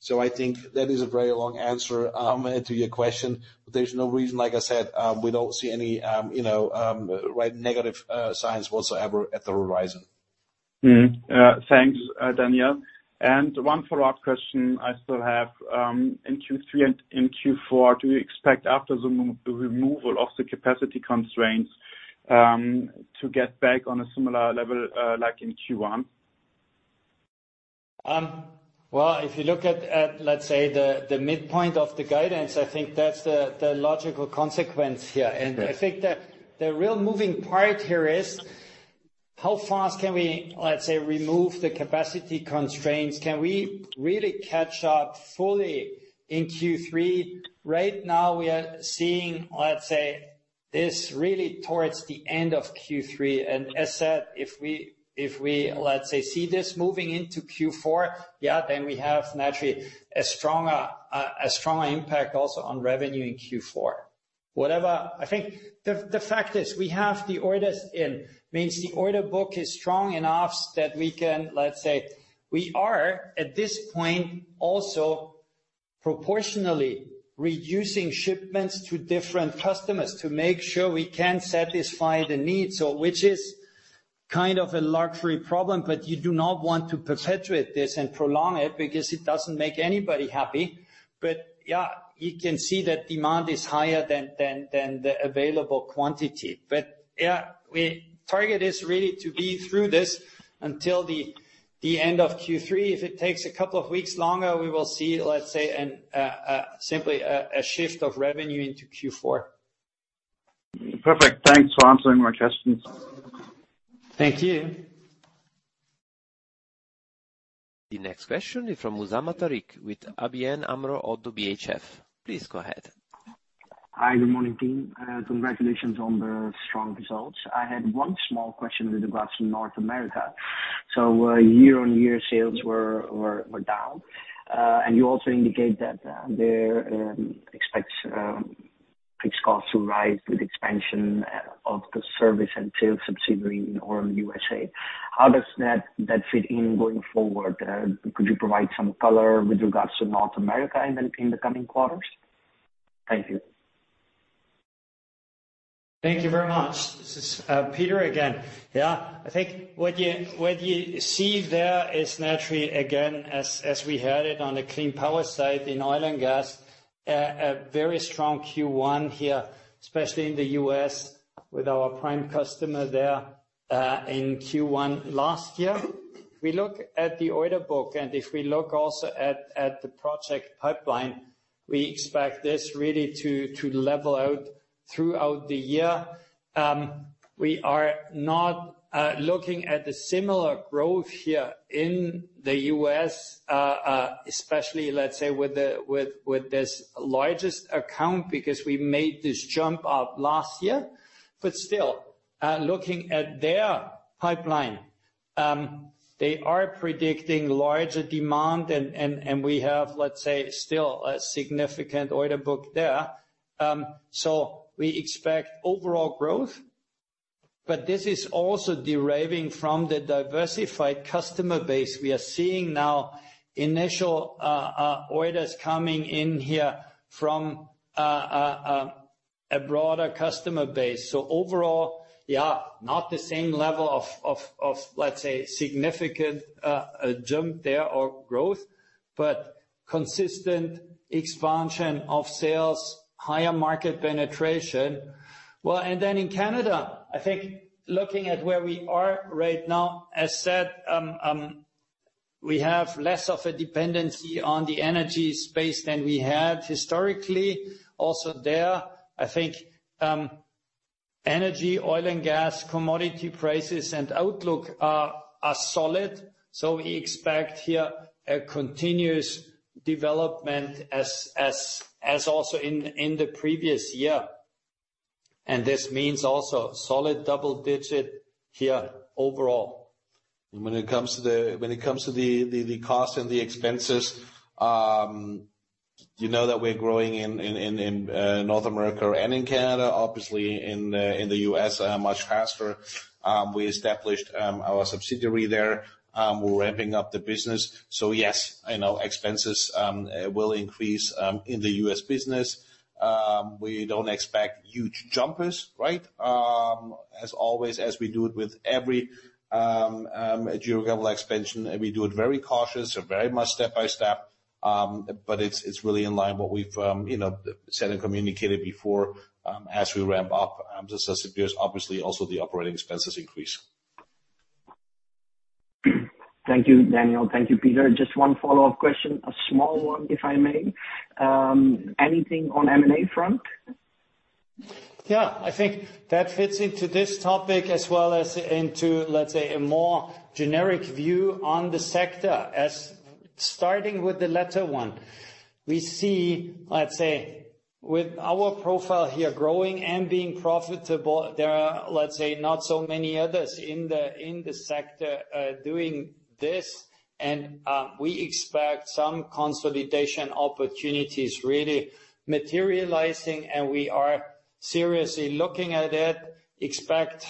Speaker 2: So I think that is a very long answer to your question. But there's no reason, like I said, we don't see any, you know, right negative signs whatsoever at the horizon.
Speaker 6: Thanks, Daniel. One follow-up question I still have. In Q3 and in Q4, do you expect after the removal of the capacity constraints to get back on a similar level, like in Q1?
Speaker 1: Well, if you look at, let's say, the midpoint of the guidance, I think that's the logical consequence here. And I think that the real moving part here is how fast can we, let's say, remove the capacity constraints? Can we really catch up fully in Q3? Right now, we are seeing, let's say, this really towards the end of Q3. And as said, if we, let's say, see this moving into Q4, yeah, then we have naturally a stronger impact also on revenue in Q4. Whatever, I think the fact is we have the orders in. Means the order book is strong enough that we can, let's say, we are at this point also proportionally reducing shipments to different customers to make sure we can satisfy the needs. So which is kind of a luxury problem, but you do not want to perpetuate this and prolong it because it doesn't make anybody happy. But yeah, you can see that demand is higher than the available quantity. But yeah, we target is really to be through this until the end of Q3. If it takes a couple of weeks longer, we will see, let's say, simply a shift of revenue into Q4.
Speaker 6: Perfect. Thanks for answering my questions.
Speaker 1: Thank you.
Speaker 3: The next question is from Usama Tariq with ABN AMRO ODDO BHF. Please go ahead.
Speaker 7: Hi. Good morning, team. Congratulations on the strong results. I had one small question with regards to North America. So, year-on-year sales were down. And you also indicate that they're expecting fixed costs to rise with expansion of the service and sales subsidiary in our U.S. How does that fit in going forward? Could you provide some color with regards to North America in the coming quarters? Thank you.
Speaker 1: Thank you very much. This is Peter again. Yeah. I think what you see there is naturally, again, as we had it on the Clean Power side in oil and gas, a very strong Q1 here, especially in the U.S. with our prime customer there, in Q1 last year. We look at the order book, and if we look also at the project pipeline, we expect this really to level out throughout the year. We are not looking at a similar growth here in the U.S., especially, let's say, with the, with, with this largest account because we made this jump up last year. But still, looking at their pipeline, they are predicting larger demand and, and, and we have, let's say, still a significant order book there. So we expect overall growth. But this is also deriving from the diversified customer base. We are seeing now initial orders coming in here from a broader customer base. So overall, yeah, not the same level of, of, of, let's say, significant, a jump there or growth, but consistent expansion of sales, higher market penetration. Well, and then in Canada, I think looking at where we are right now, as said, we have less of a dependency on the energy space than we had historically. Also, there, I think, energy, oil, and gas commodity prices and outlook are solid. So we expect here a continuous development as also in the previous year. And this means also solid double-digit here overall.
Speaker 2: And when it comes to the costs and the expenses, you know that we're growing in North America and in Canada, obviously in the U.S., much faster. We established our subsidiary there. We're ramping up the business. So yes, I know expenses will increase in the U.S. business. We don't expect huge jumps, right? As always, as we do it with every geographical expansion, we do it very cautious or very much step by step. But it's, it's really in line what we've, you know, said and communicated before, as we ramp up the subsidiaries, obviously also the operating expenses increase.
Speaker 7: Thank you, Daniel. Thank you, Peter. Just one follow-up question, a small one, if I may. Anything on M&A front?
Speaker 1: Yeah. I think that fits into this topic as well as into, let's say, a more generic view on the sector. Starting with the latter one, we see, let's say, with our profile here growing and being profitable, there are, let's say, not so many others in the, in the sector, doing this. And we expect some consolidation opportunities really materializing, and we are seriously looking at it. Expect,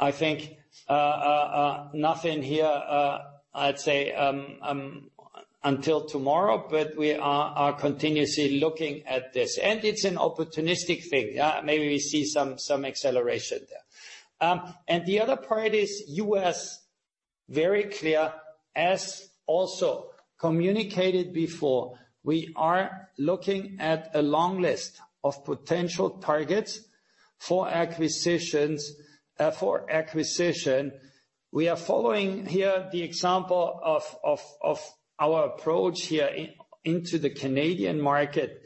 Speaker 1: I think, nothing here, I'd say, until tomorrow, but we are continuously looking at this. And it's an opportunistic thing. Yeah. Maybe we see some acceleration there. And the other part is U.S., very clear, as also communicated before, we are looking at a long list of potential targets for acquisitions, for acquisition. We are following here the example of our approach here into the Canadian market,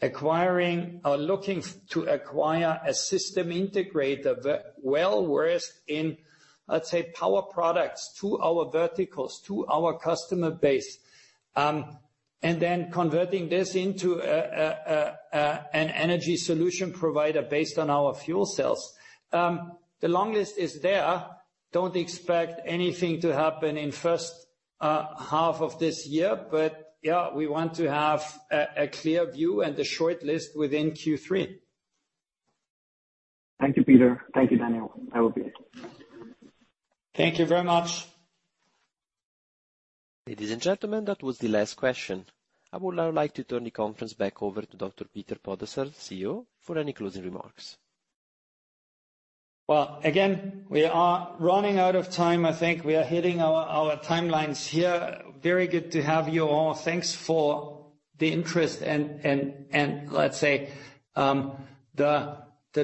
Speaker 1: acquiring, or looking to acquire a system integrator well-versed in, let's say, power products to our verticals, to our customer base. And then converting this into an energy solution provider based on our fuel cells. The long list is there. Don't expect anything to happen in first half of this year, but yeah, we want to have a clear view and a short list within Q3.
Speaker 7: Thank you, Peter. Thank you, Daniel. That will be it.
Speaker 1: Thank you very much.
Speaker 3: Ladies and gentlemen, that was the last question. I would now like to turn the conference back over to Dr. Peter Podesser, CEO, for any closing remarks.
Speaker 1: Well, again, we are running out of time. I think we are hitting our timelines here. Very good to have you all. Thanks for the interest and, let's say, the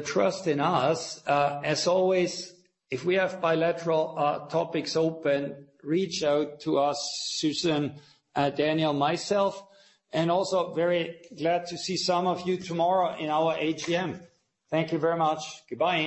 Speaker 1: trust in us. As always, if we have bilateral topics open, reach out to us, Susan, Daniel, myself. And also very glad to see some of you tomorrow in our AGM. Thank you very much. Goodbye.